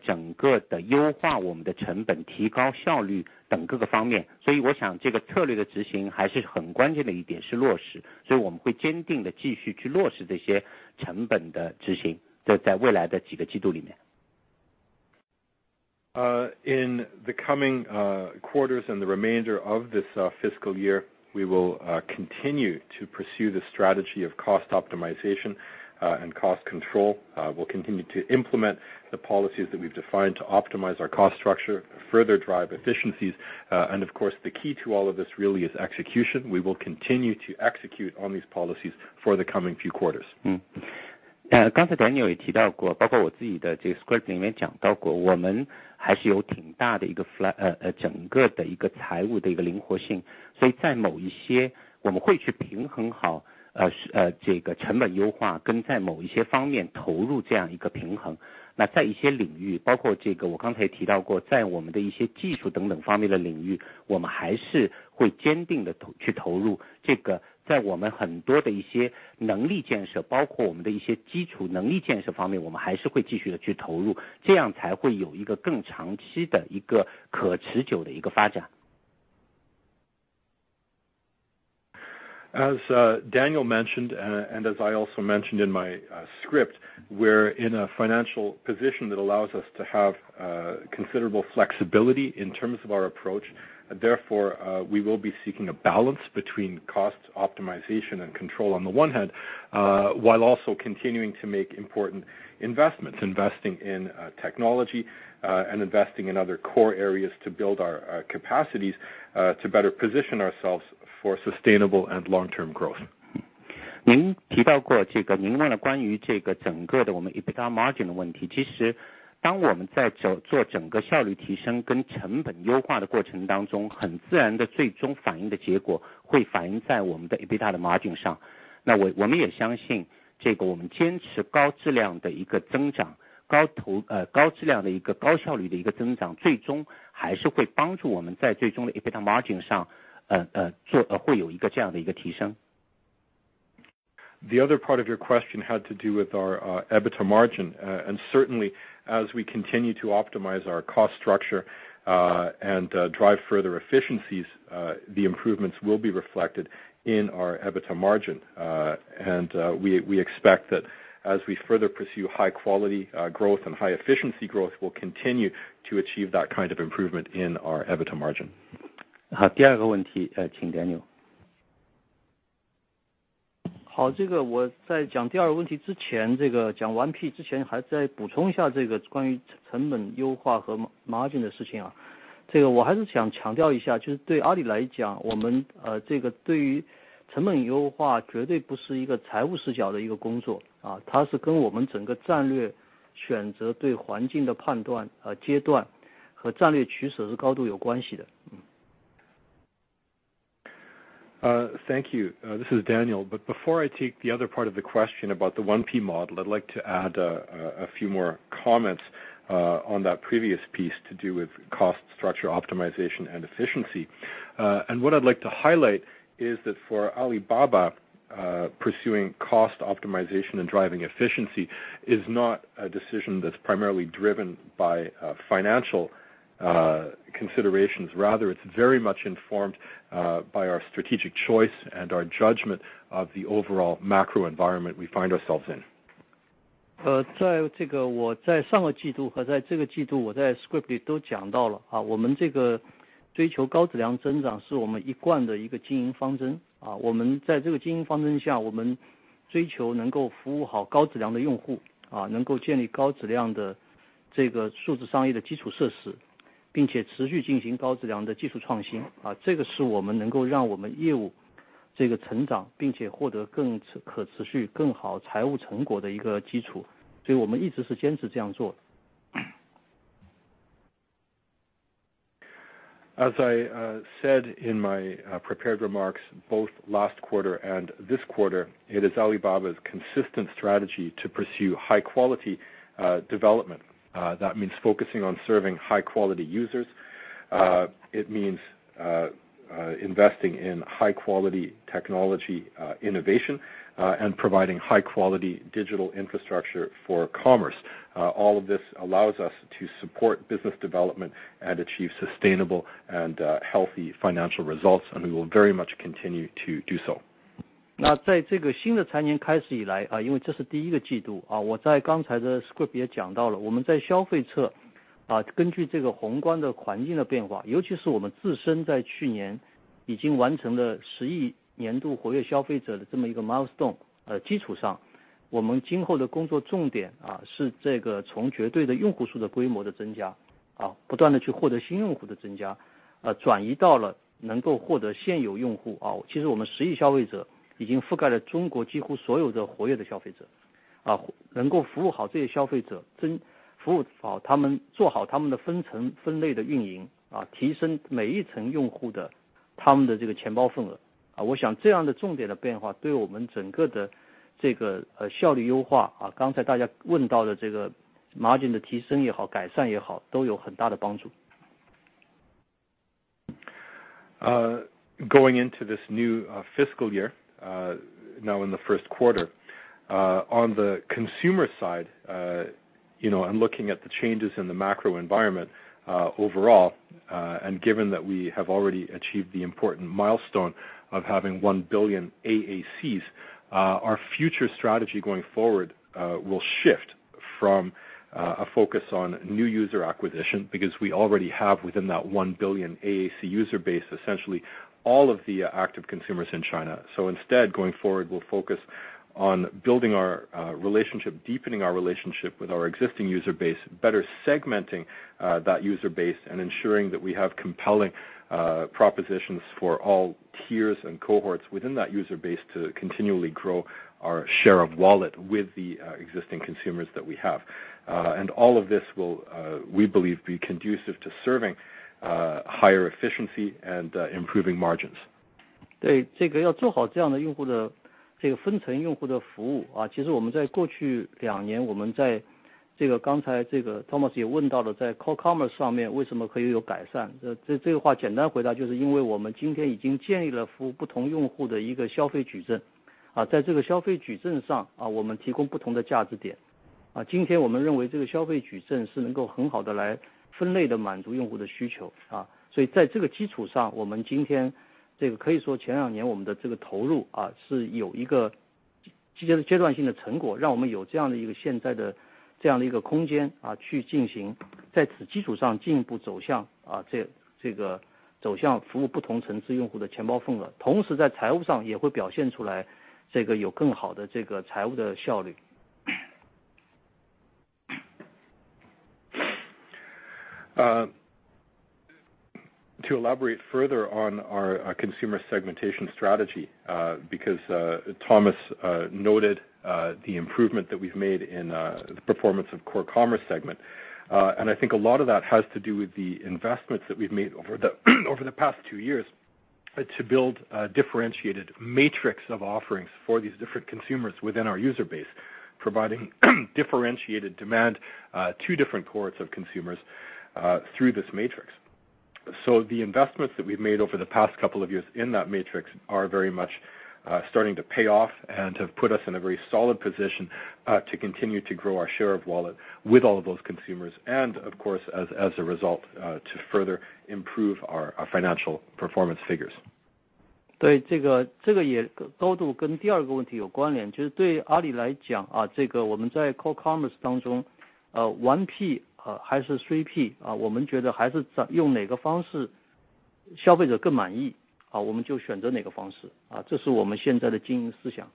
coming quarters and the remainder of this fiscal year, we will continue to pursue the strategy of cost optimization and cost control. We'll continue to implement the policies that we've defined to optimize our cost structure, further drive efficiencies. Of course, the key to all of this really is execution. We will continue to execute on these policies for the coming few quarters. Daniel mentioned, and as I also mentioned in my script, we're in a financial position that allows us to have considerable flexibility in terms of our approach. Therefore, we will be seeking a balance between cost optimization and control on the one hand, while also continuing to make important investments, investing in technology, and investing in other core areas to build our capacities, to better position ourselves for sustainable and long-term growth. 您提到过这个您问的关于整个我们EBITDA margin的问题，其实当我们在做整个效率提升跟成本优化的过程当中，很自然地最终反映的结果会反映在我们的EBITDA的margin上。我们也相信，我们坚持高质量的增长，高质量的高效率的增长，最终还是会帮助我们在最终的EBITDA margin上，做到这样的一个提升。The other part of your question had to do with our EBITDA margin. Certainly as we continue to optimize our cost structure and drive further efficiencies, the improvements will be reflected in our EBITDA margin. We expect that as we further pursue high quality growth and high efficiency growth, we'll continue to achieve that kind of improvement in our EBITDA margin. 好，第二个问题，请Daniel。好，这个我在讲第二个问题之前，这个讲完之前，还再补充一下这个关于成本优化和margin的事情啊，这个我还是想强调一下，就是对阿里来讲，我们，这个对于成本优化绝对不是一个财务视角的一个工作，啊它是跟我们整个战略选择，对环境的判断和阶段和战略取舍是高度有关系的。Thank you. This is Daniel. Before I take the other part of the question about the 1P model, I'd like to add a few more comments on that previous piece to do with cost structure optimization and efficiency. What I'd like to highlight is that for Alibaba, pursuing cost optimization and driving efficiency is not a decision that's primarily driven by financial considerations. Rather, it's very much informed by our strategic choice and our judgment of the overall macro environment we find ourselves in. As I said in my prepared remarks, both last quarter and this quarter, it is Alibaba's consistent strategy to pursue high quality development. That means focusing on serving high quality users. It means investing in high quality technology innovation, and providing high quality digital infrastructure for commerce. All of this allows us to support business development and achieve sustainable and healthy financial results, and we will very much continue to do so. Going into this new fiscal year, now in the first quarter. On the consumer side, you know, looking at the changes in the macro environment, overall, and given that we have already achieved the important milestone of having 1 billion AACs, our future strategy going forward will shift from a focus on new user acquisition, because we already have within that 1 billion AAC user base essentially all of the active consumers in China. Instead, going forward, we'll focus on building our relationship, deepening our relationship with our existing user base, better segmenting that user base and ensuring that we have compelling propositions for all tiers and cohorts within that user base to continually grow our share of wallet with the existing consumers that we have. All of this will, we believe, be conducive to serving higher efficiency and improving margins. To elaborate further on our consumer segmentation strategy, because Thomas noted the improvement that we've made in the performance of Core Commerce segment, and I think a lot of that has to do with the investments that we've made over the past two years to build a differentiated matrix of offerings for these different consumers within our user base, providing differentiated demand to different cohorts of consumers through this matrix. The investments that we've made over the past couple of years in that matrix are very much starting to pay off and have put us in a very solid position to continue to grow our share of wallet with all of those consumers and of course, as a result, to further improve our financial performance figures. 对，这个也高度跟第二个问题有关联，就是对于阿里来讲，这个我们在Core Commerce当中，1P还是3P，我们觉得还是用哪个方式消费者更满意，好我们就选择哪个方式，这是我们现在的经营思想。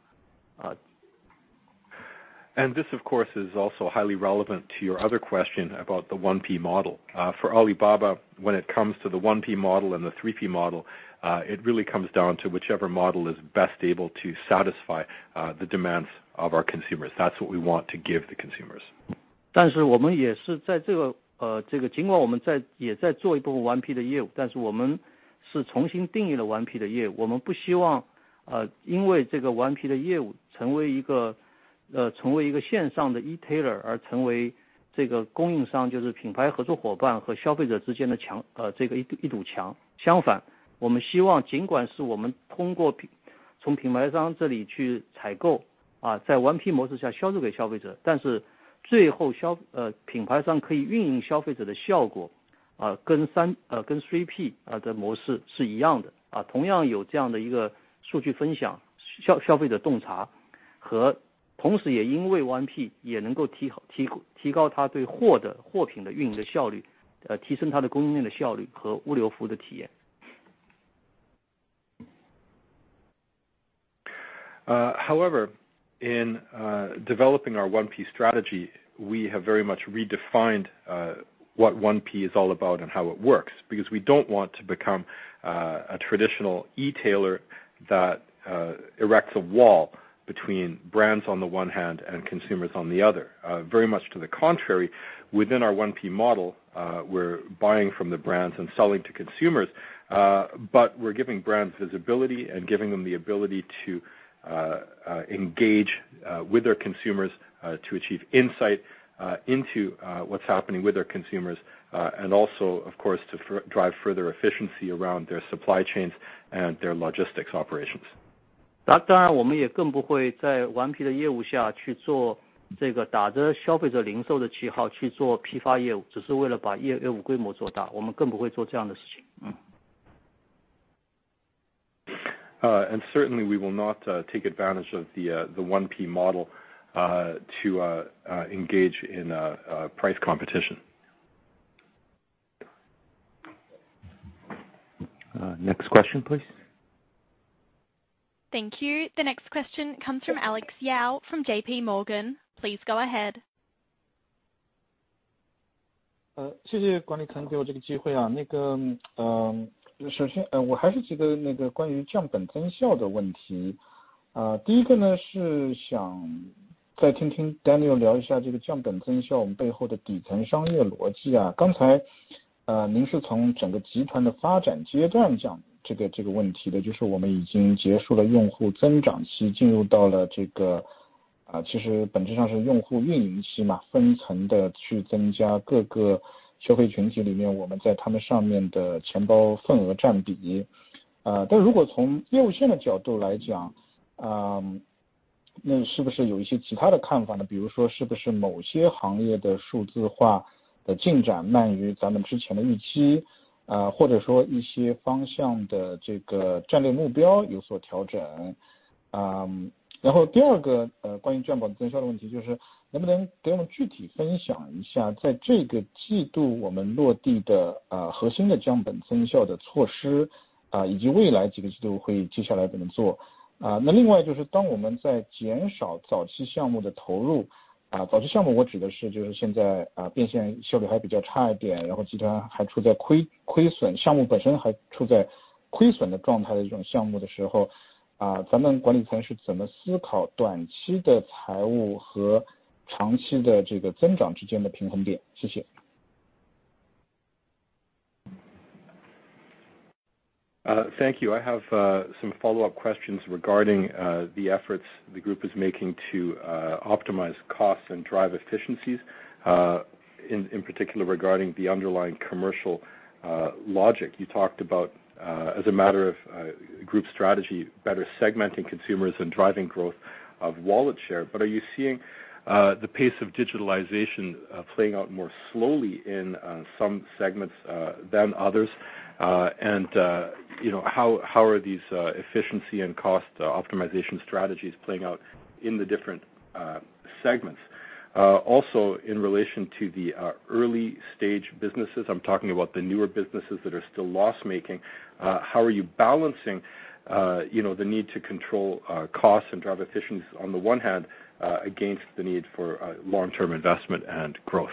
This of course is also highly relevant to your other question about the 1P model. For Alibaba, when it comes to the 1P model and the 3P model, it really comes down to whichever model is best able to satisfy the demands of our consumers. That's what we want to give the consumers. However, in developing our 1P strategy, we have very much redefined what 1P is all about and how it works, because we don't want to become a traditional e-tailer that erects a wall between brands on the one hand and consumers on the other. Very much to the contrary, within our 1P model, we're buying from the brands and selling to consumers, but we're giving brands visibility and giving them the ability to engage with their consumers to achieve insight into what's happening with their consumers, and also of course, to drive further efficiency around their supply chains and their logistics operations. 当然，我们也更不会在1P的业务下去做这个打着消费者零售的旗号去做批发业务，只是为了把业务规模做大，我们更不会做这样的事情。Certainly we will not take advantage of the 1P model to engage in price competition. Next question please. Thank you. The next question comes from Alex Yao from J.P. Morgan. Please go ahead. Thank you. I have some follow up questions regarding the efforts the group is making to optimize costs and drive efficiencies. In particular, regarding the underlying commercial logic you talked about as a matter of group strategy, better segmenting consumers and driving growth of wallet share. Are you seeing the pace of digitalization playing out more slowly in some segments than others? You know, how are these efficiency and cost optimization strategies playing out in the different segments? Also in relation to the early stage businesses I'm talking about the newer businesses that are still loss-making. How are you balancing, you know, the need to control costs and drive efficiency on the one hand, against the need for long term investment and growth?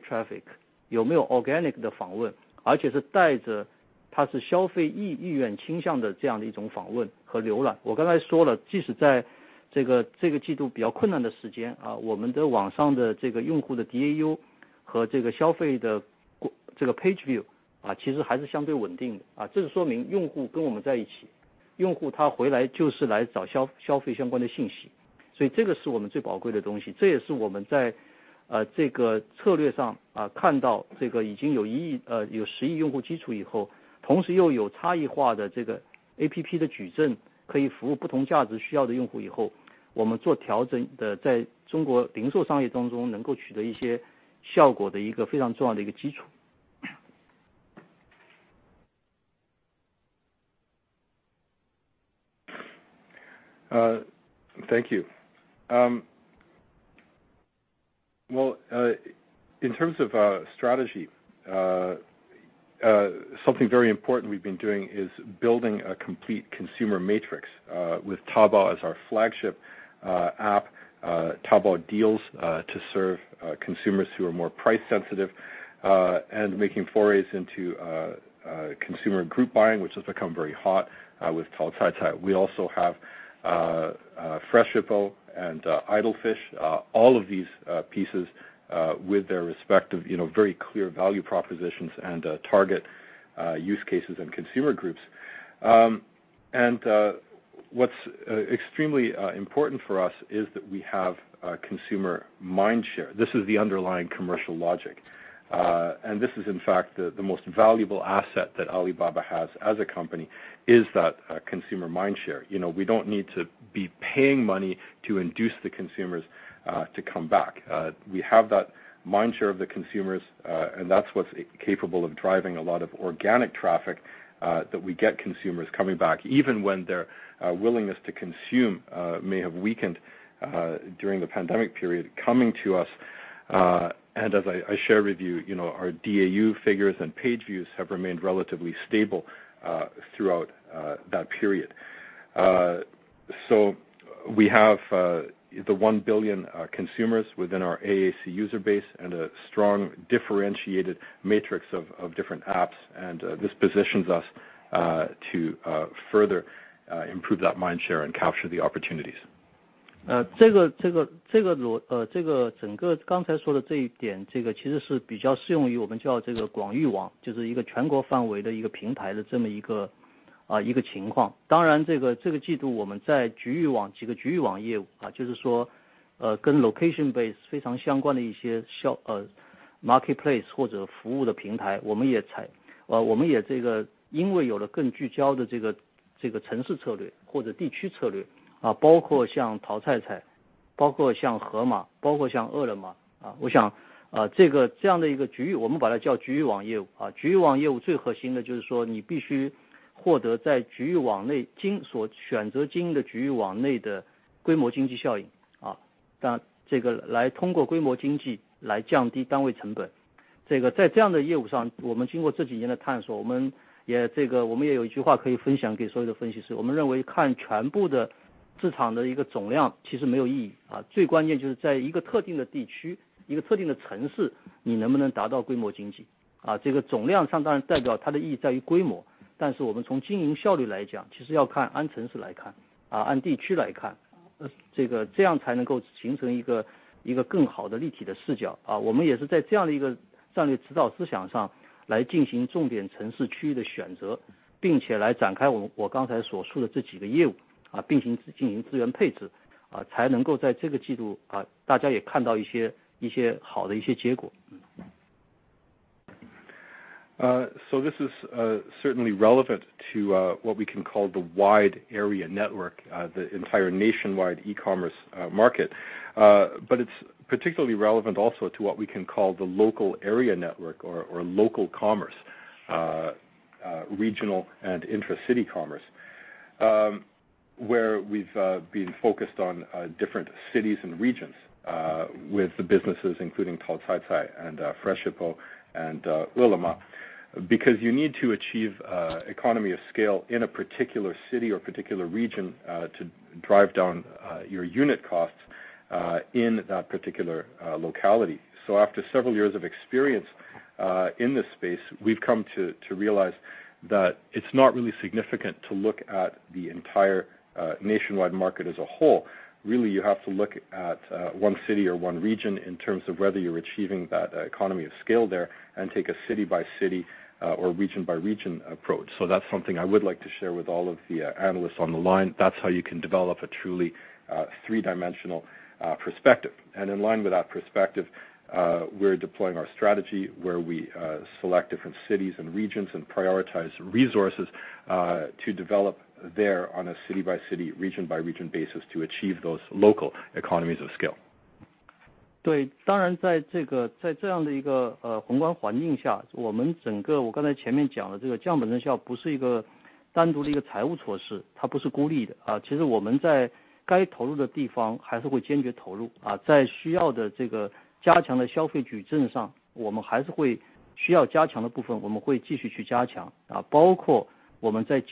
traffic，有没有organic的访问，而且是带着它是消费意愿倾向的这样的一种访问和浏览。我刚才说了，即使在这个季度比较困难的时间，我们的网上的这个用户的DAU和这个消费的这个page view，其实还是相对稳定的，这个说明用户跟我们在一起，用户他回来就是来找消费、消费相关的信息，所以这个是我们最宝贵的东西，这也是我们在这个策略上，看到这个已经有十亿用户基础以后，同时又有差异化的这个APP的矩阵可以服务不同价值需要的用户以后，我们做调整的在中国零售商业当中能够取得一些效果的一个非常重要的一个基础。Thank you. Well, in terms of strategy, something very important we've been doing is building a complete consumer matrix with Taobao as our flagship app, Taobao Deals to serve consumers who are more price sensitive and making forays into consumer group buying, which has become very hot with Taocaicai. We also have Freshippo and Idle Fish, all of these pieces, with their respective, you know, very clear value propositions and target use cases and consumer groups. What's extremely important for us is that we have consumer mindshare. This is the underlying commercial logic. This is in fact the most valuable asset that Alibaba has as a company, is that consumer mindshare. You know, we don't need to be paying money to induce the consumers to come back. We have that mindshare of the consumers, and that's what's capable of driving a lot of organic traffic that we get consumers coming back, even when their willingness to consume may have weakened during the pandemic period coming to us. As I share with you know, our DAU figures and page views have remained relatively stable throughout that period. We have the 1 billion consumers within our AAC user base and a strong differentiated matrix of different apps. This positions us to further improve that mindshare and capture the opportunities. Uh, This is certainly relevant to what we can call the wide area network, the entire nationwide e-commerce market. It's particularly relevant also to what we can call the local area network or local commerce. Regional and intracity commerce. Where we've been focused on different cities and regions with the businesses including Taocaicai and Freshippo and Ele.me. Because you need to achieve economy of scale in a particular city or particular region to drive down your unit costs in that particular locality. After several years of experience in this space, we've come to realize that it's not really significant to look at the entire nationwide market as a whole. Really, you have to look at one city or one region in terms of whether you're achieving that economy of scale there and take a city-by-city or region-by-region approach. That's something I would like to share with all of the analysts on the line. That's how you can develop a truly three-dimensional perspective. In line with that perspective, we're deploying our strategy where we select different cities and regions and prioritize resources to develop there on a city-by-city, region-by-region basis to achieve those local economies of scale. In the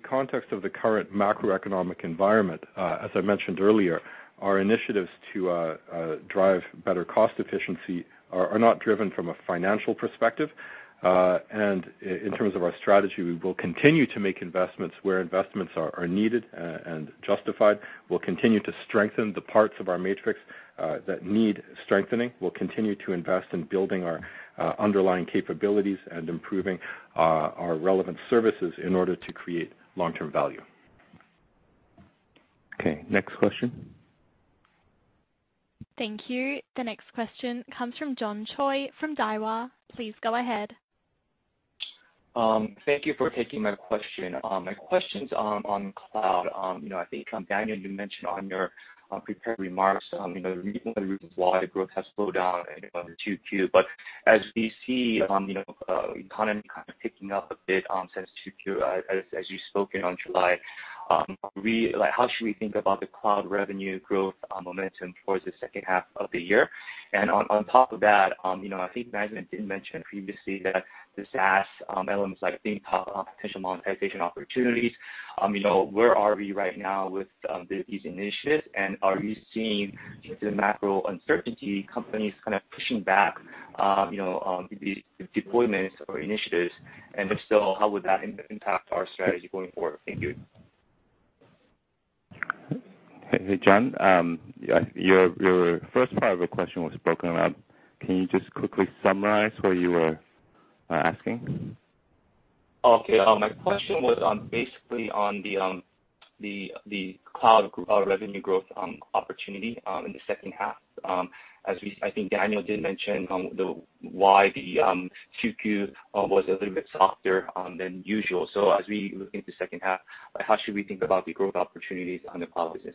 context of the current macroeconomic environment, as I mentioned earlier, our initiatives to drive better cost efficiency are not driven from a financial perspective. In terms of our strategy, we will continue to make investments where investments are needed and justified. We'll continue to strengthen the parts of our matrix that need strengthening. We'll continue to invest in building our underlying capabilities and improving our relevant services in order to create long-term value. Okay, next question. Thank you. The next question comes from John Choi from Daiwa. Please go ahead. Thank you for taking my question. My question's on cloud. You know, I think, Daniel, you mentioned on your prepared remarks, you know, one of the reasons why the growth has slowed down in Q2. As we see, you know, economy kind of picking up a bit, since Q2, as you spoken on July, like how should we think about the cloud revenue growth momentum towards the second half of the year? On top of that, you know, I think management did mention previously that the SaaS elements like DingTalk potential monetization opportunities. You know, where are we right now with these initiatives? Are you seeing the macro uncertainty companies kind of pushing back, you know, these deployments or initiatives? If so, how would that impact our strategy going forward? Thank you. Hey, John. Your first part of your question was broken up. Can you just quickly summarize what you were asking? Okay. My question was basically on the cloud group revenue growth opportunity in the second half. I think Daniel did mention why the Q2 was a little bit softer than usual. As we look into second half, how should we think about the growth opportunities on the cloud business?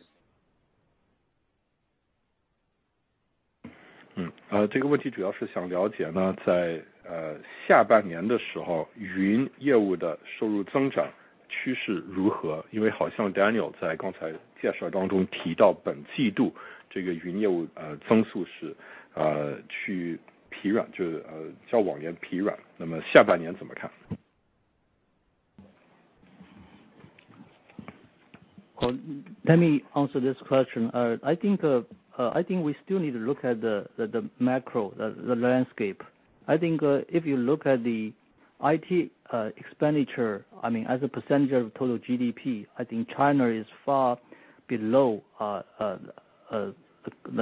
这个问题主要是想了解，在下半年的时候，云业务的收入增长趋势如何？因为好像Daniel在刚才介绍当中提到本季度这个云业务增速是较往年疲软，那么下半年怎么看？ Well, let me answer this question. I think we still need to look at the macro landscape. I think if you look at the IT expenditure, I mean, as a percentage of total GDP, I think China is far below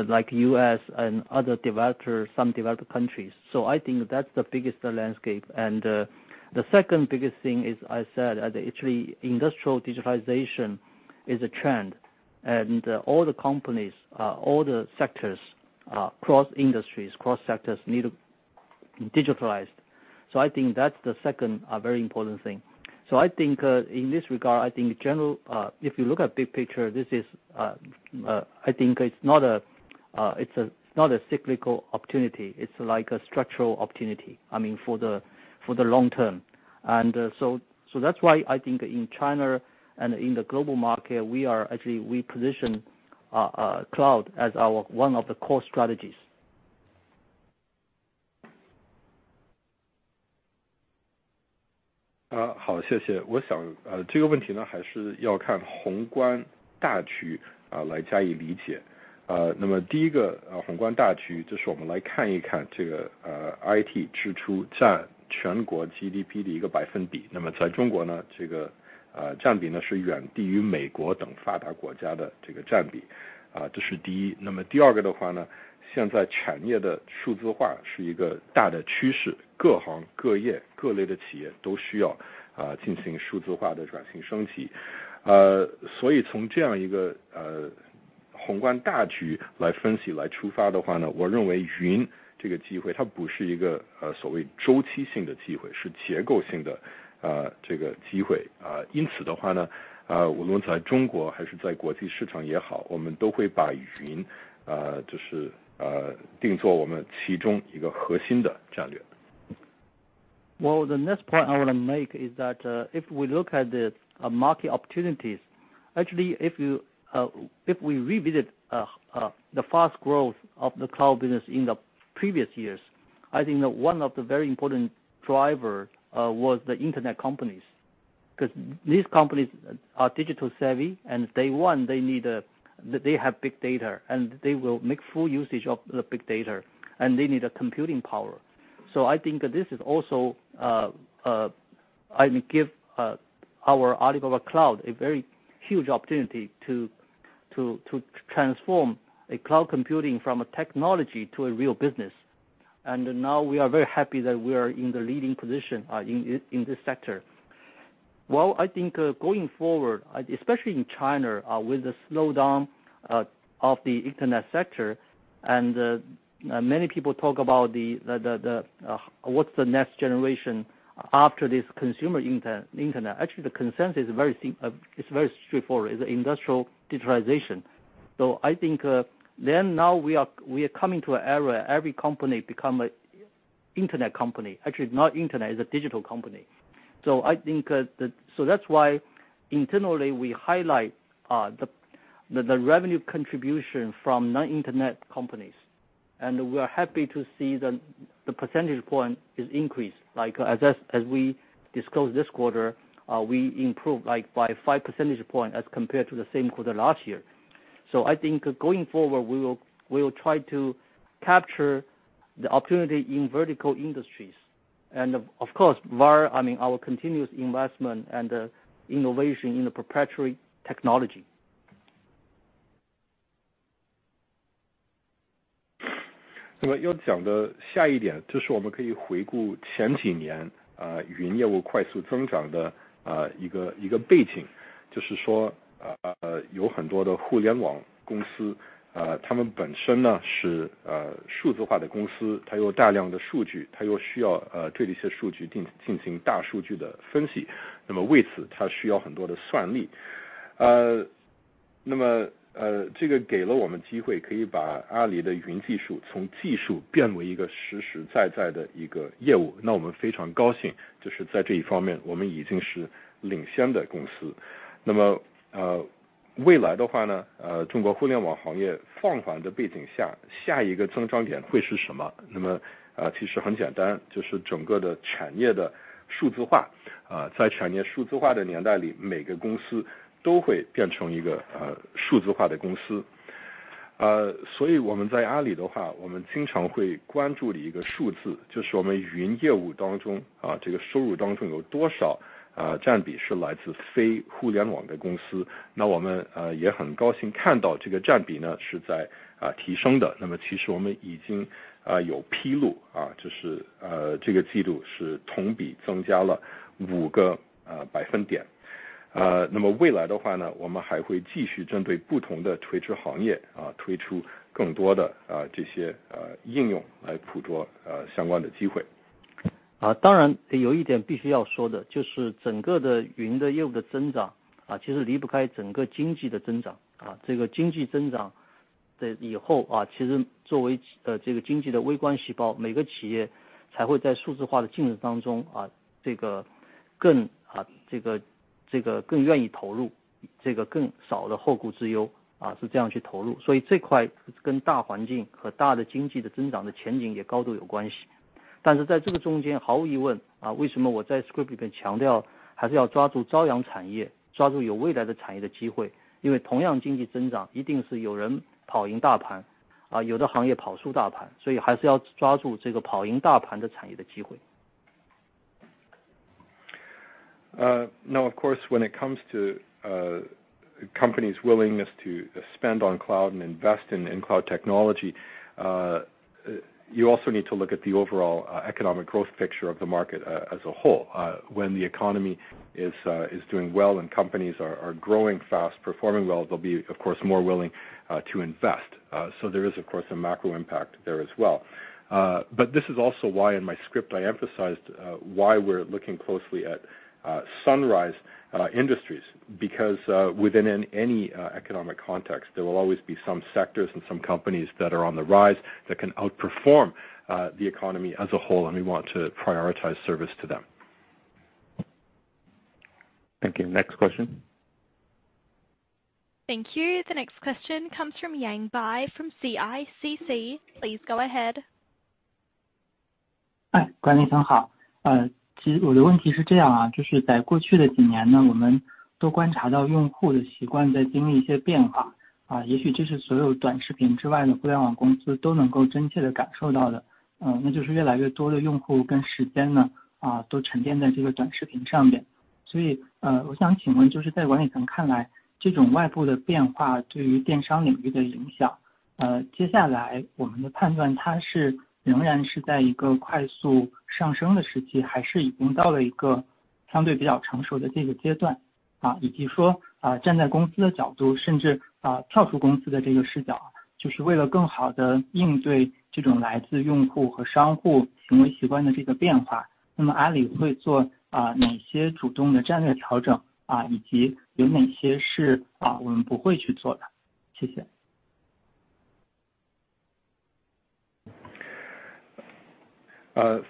like U.S. and other developed or some developed countries. I think that's the biggest landscape. The second biggest thing is as I said actually industrial digitalization is a trend. All the companies, all the sectors, cross industries, cross sectors need digitalization. I think that's the second very important thing. I think in this regard, in general, if you look at big picture, I think it's not a cyclical opportunity. It's like a structural opportunity, I mean, for the long term. So that's why I think in China and in the global market, we actually position cloud as one of the core strategies. Well, the next point I want to make is that, if we look at the market opportunities, actually, if we revisit the fast growth of the cloud business in the previous years, I think that one of the very important driver was the internet companies, because these companies are digitally savvy and they want, they need, they have big data and they will make full usage of the big data, and they need a computing power. So I think this is also, I mean, given our Alibaba Cloud a very huge opportunity to transform cloud computing from a technology to a real business. Now we are very happy that we are in the leading position in this sector. Well, I think going forward, especially in China, with the slowdown of the internet sector, and many people talk about what's the next generation after this consumer internet. Actually, the consensus is very straightforward, industrial digitalization. I think now we are coming to an era, every company become a internet company. Actually is not internet, is a digital company. I think so that's why internally we highlight the revenue contribution from non-internet companies, and we are happy to see the percentage point is increased. Like, as we disclose this quarter, we improved like by five percentage point as compared to the same quarter last year. I think going forward we will try to capture the opportunity in vertical industries. Of course AI, I mean, our continuous investment and innovation in the proprietary technology. Now of course when it comes to company's willingness to spend on cloud and invest in cloud technology, you also need to look at the overall economic growth picture of the market as a whole. When the economy is doing well and companies are growing fast, performing well, they'll be of course more willing to invest. There is, of course a macro impact there as well, but this is also why in my script I emphasized why we're looking closely at sunrise industries. Because within any economic context, there will always be some sectors and some companies that are on the rise that can outperform the economy as a whole, and we want to prioritize service to them. Thank you. Next question. Thank you. The next question comes from Yang Bai from CICC. Please go ahead.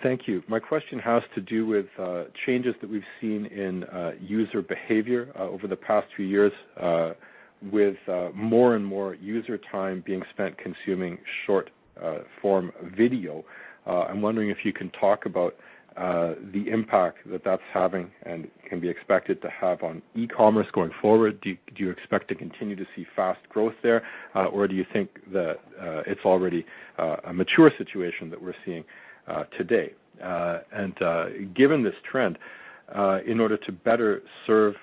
Thank you. My question has to do with changes that we've seen in user behavior over the past few years with more and more user time being spent consuming short form video. I'm wondering if you can talk about the impact that that's having and can be expected to have on e-commerce going forward. Do you expect to continue to see fast growth there? Or do you think that it's already a mature situation that we're seeing today and given this trend in order to better serve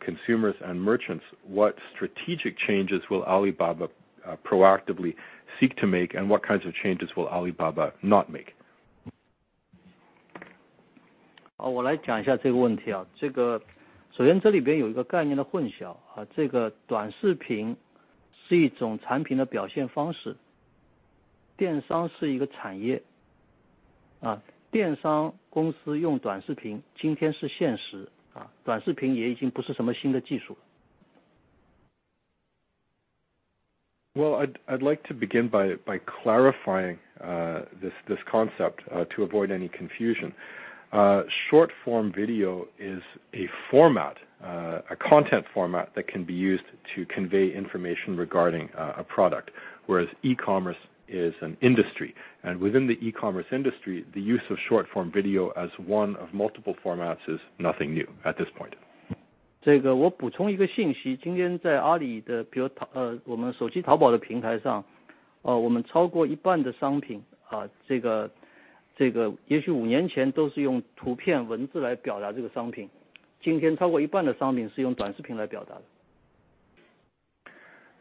consumers and merchants what strategic changes will Alibaba proactively seek to make and what kinds of changes will Alibaba not make? 好，我来讲一下这个问题啊。这个首先这里边有一个概念的混淆，啊这个短视频是一种产品的表现方式，电商是一个产业。啊电商公司用短视频今天是现实，啊短视频也已经不是什么新的技术。Well, I'd like to begin by clarifying this concept to avoid any confusion. Short form video is a format, a content format that can be used to convey information regarding a product, whereas e-commerce is an industry and within the e-commerce industry, the use of short form video as one of multiple formats is nothing new at this point. 我补充一个信息，今天在阿里的，比如我们手机淘宝的平台上，我们超过一半的商品，这个也许五年前都是用图片文字来表达这个商品，今天超过一半的商品是用短视频来表达的。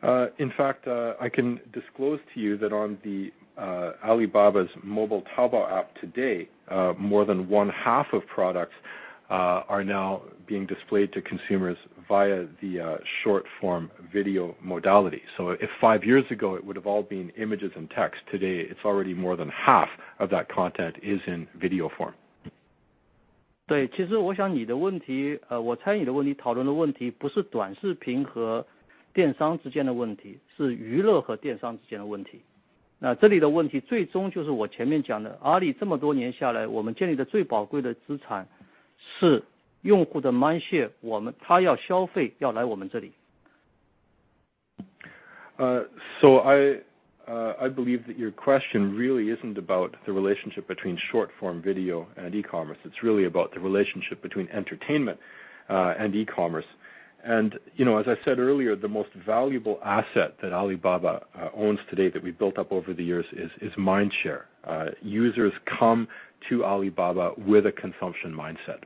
In fact, I can disclose to you that on the Alibaba's mobile Taobao app today, more than one half of products are now being displayed to consumers via the short form video modality. If five years ago it would have all been images and text today, it's already more than half of that content is in video form. 对，其实我想你的问题，我猜你的问题讨论的问题不是短视频和电商之间的问题，是娱乐和电商之间的问题。那这里的问题最终就是我前面讲的，阿里这么多年下来，我们建立的最宝贵的资产是用户的mindshare，我们——他要消费，要来我们这里。I believe that your question really isn't about the relationship between short-form video and e-commerce. It's really about the relationship between entertainment and e-commerce. You know, as I said earlier, the most valuable asset that Alibaba owns today that we built up over the years is mindshare. Users come to Alibaba with a consumption mindset.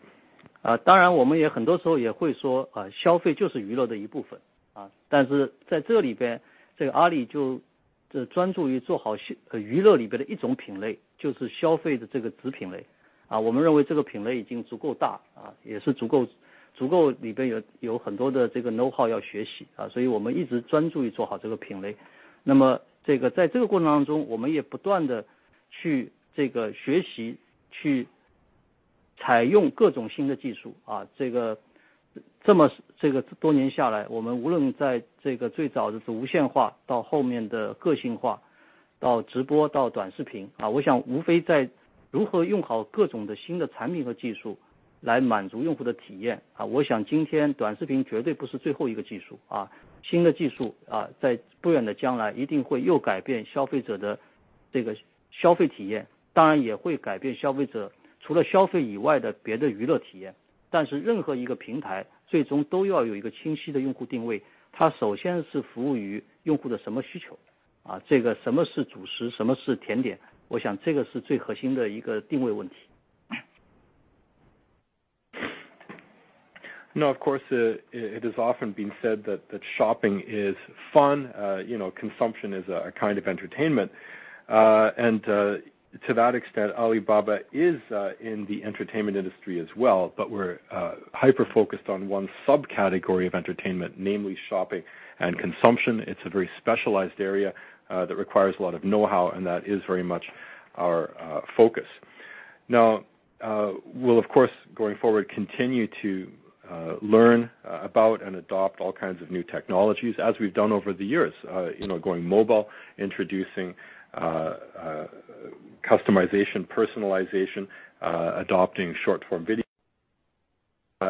No, of course, it is often being said that shopping is fun. You know, consumption is a kind of entertainment. To that extent, Alibaba is in the entertainment industry as well. We're hyper focused on one subcategory of entertainment, namely shopping and consumption. It's a very specialized area that requires a lot of knowhow and that is very much our focus. Now we'll of course, going forward, continue to learn about and adopt all kinds of new technologies as we've done over the years. You know, going mobile, introducing customization, personalization, adopting short-form video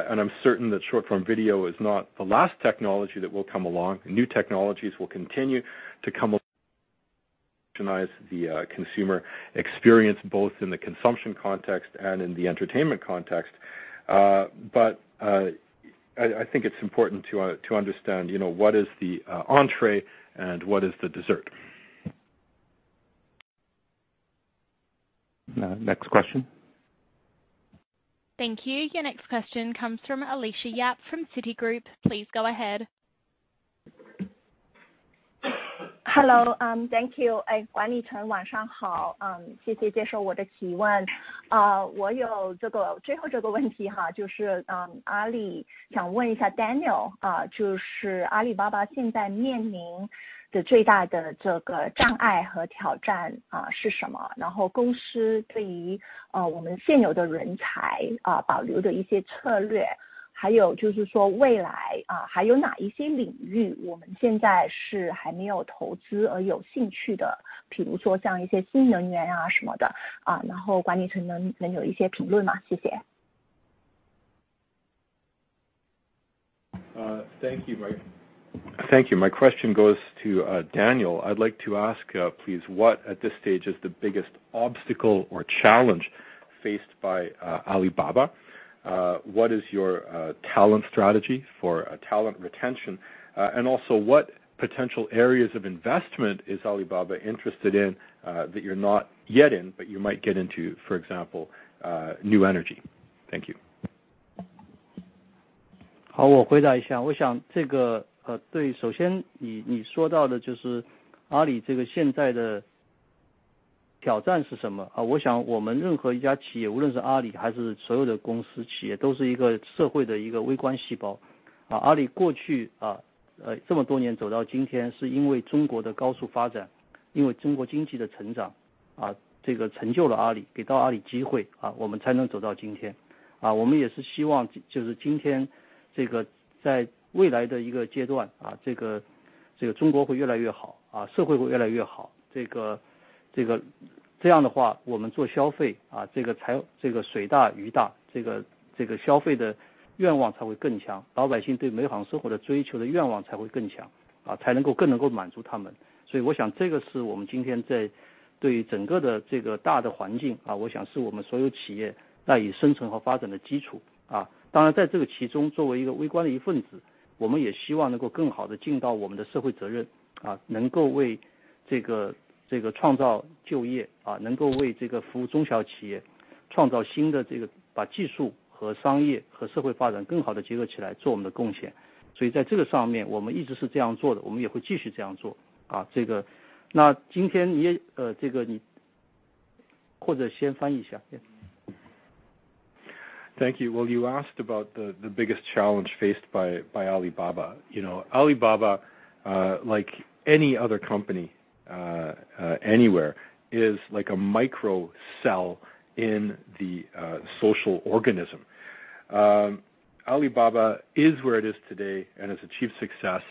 and I'm certain that short-form video is not the last technology that will come along. New technologies will continue to come to the consumer experience both in the consumption context and in the entertainment context. I think it's important to understand, you know, what is the entree and what is the dessert. Next question. Thank you. Your next question comes from Alicia Yap from Citigroup. Please go ahead. 管理层晚上好，谢谢接受我的提问。我有最后这个问题，就是想问一下 Daniel，阿里巴巴现在面临的最大的障碍和挑战是什么？然后公司对于我们现有的人才保留的一些策略，还有就是说未来还有哪一些领域我们现在是还没有投资而有兴趣的，譬如说像一些新能源什么的，管理层能有一些评论吗？谢谢。Thank you. My question goes to Daniel Zhang. I'd like to ask please what at this stage is the biggest obstacle or challenge faced by Alibaba? What is your talent strategy for talent retention? And also what potential areas of investment is Alibaba interested in that you're not yet in but you might get into, for example new energy? Thank you. Thank you. Well, you asked about the biggest challenge faced by Alibaba. You know, Alibaba like any other company anywhere is like a microcosm in the social organism. Alibaba is where it is today and has achieved success,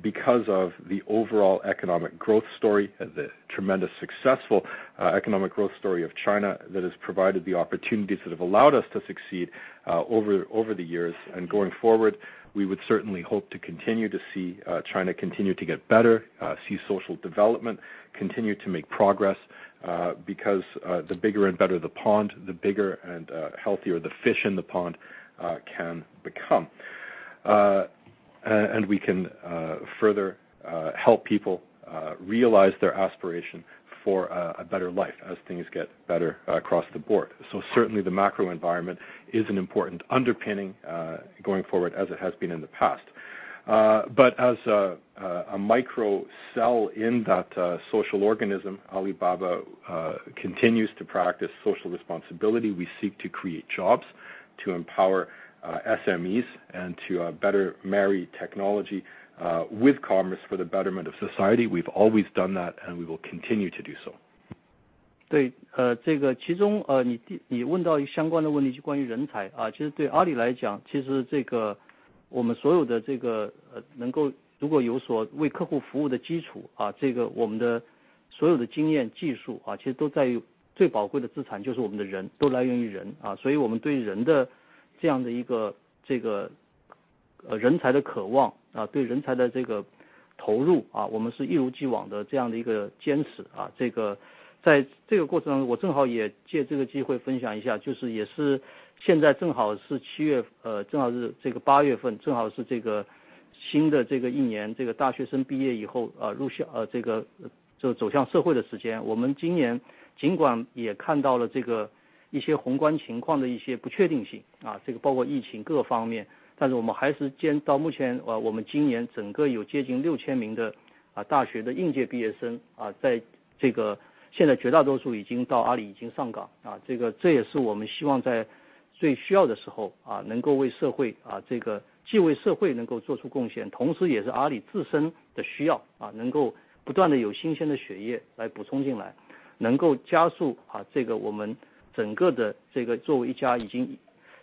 because of the overall economic growth story and the tremendously successful economic growth story of China that has provided the opportunities that have allowed us to succeed, over the years. Going forward, we would certainly hope to continue to see China continue to get better, see social development, continue to make progress, because the bigger and better the pond, the bigger and healthier the fish in the pond can become. We can further help people realize their aspiration for a better life as things get better across the board. Certainly the macro environment is an important underpinning going forward as it has been in the past. As a microcosm in that social organism, Alibaba continues to practice social responsibility. We seek to create jobs, to empower SMEs, and to better marry technology with commerce for the betterment of society. We've always done that, and we will continue to do so.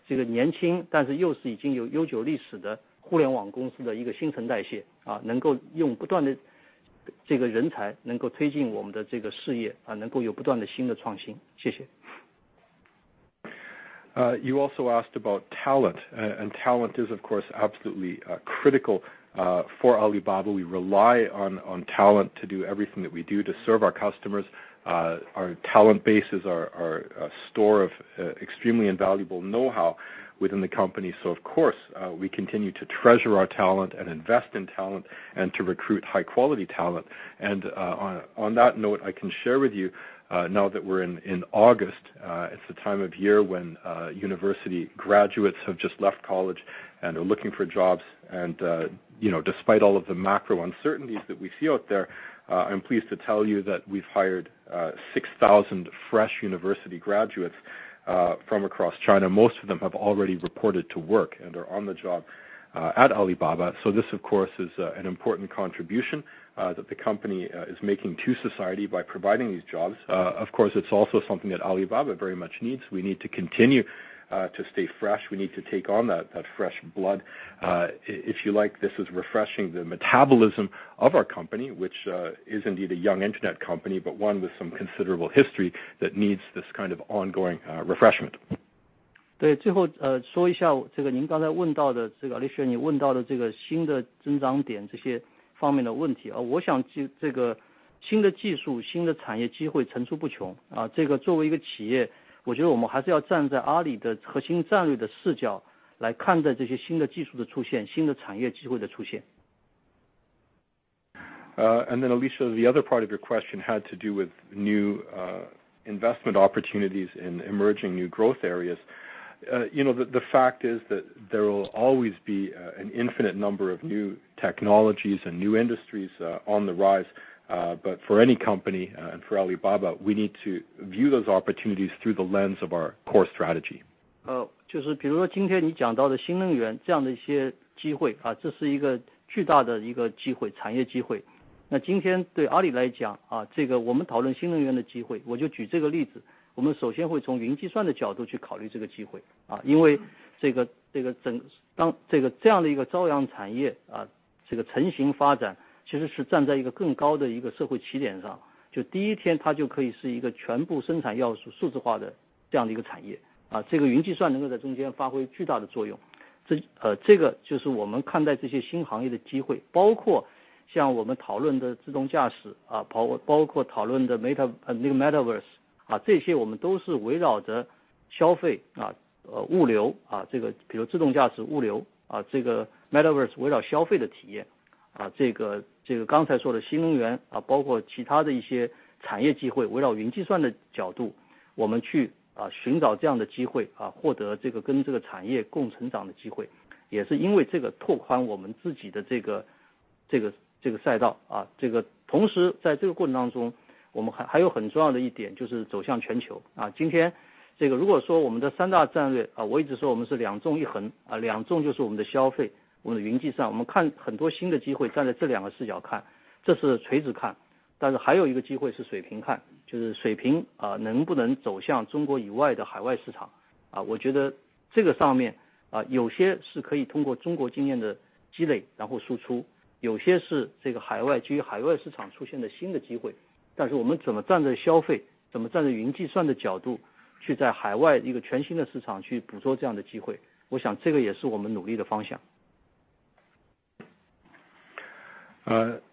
You also asked about talent, and talent is of course absolutely critical for Alibaba. We rely on talent to do everything that we do to serve our customers. Our talent base is our store of extremely invaluable know-how within the company. Of course, we continue to treasure our talent and invest in talent and to recruit high quality talent. On that note, I can share with you, now that we're in August, it's the time of year when university graduates have just left college and are looking for jobs. You know, despite all of the macro uncertainties that we see out there, I'm pleased to tell you that we've hired 6,000 fresh university graduates from across China. Most of them have already reported to work and are on the job at Alibaba. This, of course, is an important contribution that the company is making to society by providing these jobs. Of course, it's also something that Alibaba very much needs. We need to continue to stay fresh. We need to take on that fresh blood. If you like, this is refreshing the metabolism of our company, which is indeed a young internet company, but one with some considerable history that needs this kind of ongoing refreshment. 对，最后说一下您刚才问到的，Alicia你问到的这个新的增长点这些方面的问题。我想就这个新的技术，新的产业机会层出不穷，这个作为一个企业，我觉得我们还是要站在阿里的核心战略的视角来看待这些新的技术的出现，新的产业机会的出现。Alicia, the other part of your question had to do with new investment opportunities in emerging new growth areas. You know, the fact is that there will always be an infinite number of new technologies and new industries on the rise. For any company and for Alibaba, we need to view those opportunities through the lens of our core strategy.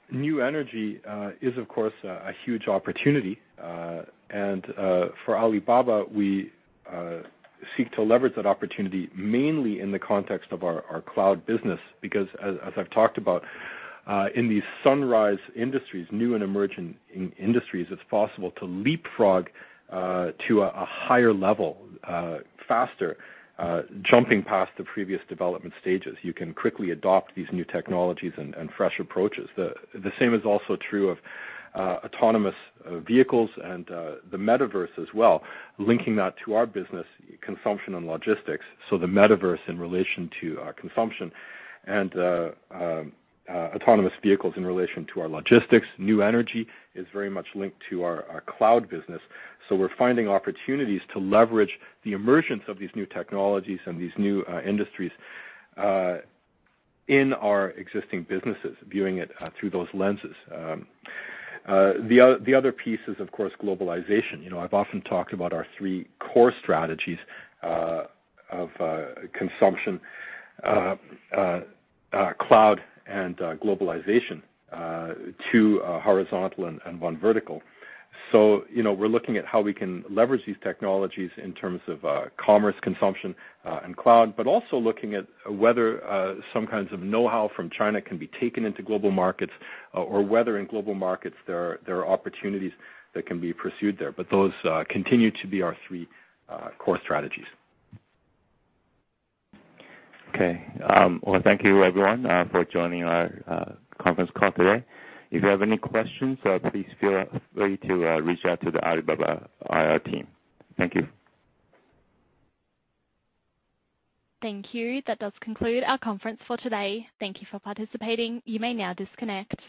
New energy is of course a huge opportunity. For Alibaba, we seek to leverage that opportunity mainly in the context of our cloud business. Because as I've talked about in these sunrise industries, new and emerging industries, it's possible to leapfrog to a higher level faster, jumping past the previous development stages. You can quickly adopt these new technologies and fresh approaches. The same is also true of autonomous vehicles and the Metaverse as well, linking that to our consumption business and logistics. The Metaverse in relation to our consumption and autonomous vehicles in relation to our logistics. New energy is very much linked to our cloud business. We're finding opportunities to leverage the emergence of these new technologies and these new industries in our existing businesses, viewing it through those lenses. The other piece is, of course, globalization. You know, I've often talked about our three core strategies of consumption, cloud and globalization, two horizontal and one vertical. You know, we're looking at how we can leverage these technologies in terms of commerce, consumption and cloud, but also looking at whether some kinds of know-how from China can be taken into global markets or whether in global markets there are opportunities that can be pursued there. Those continue to be our three core strategies. Okay. Well, thank you everyone for joining our conference call today. If you have any questions, please feel free to reach out to the Alibaba IR team. Thank you. Thank you. That does conclude our conference for today. Thank you for participating. You may now disconnect.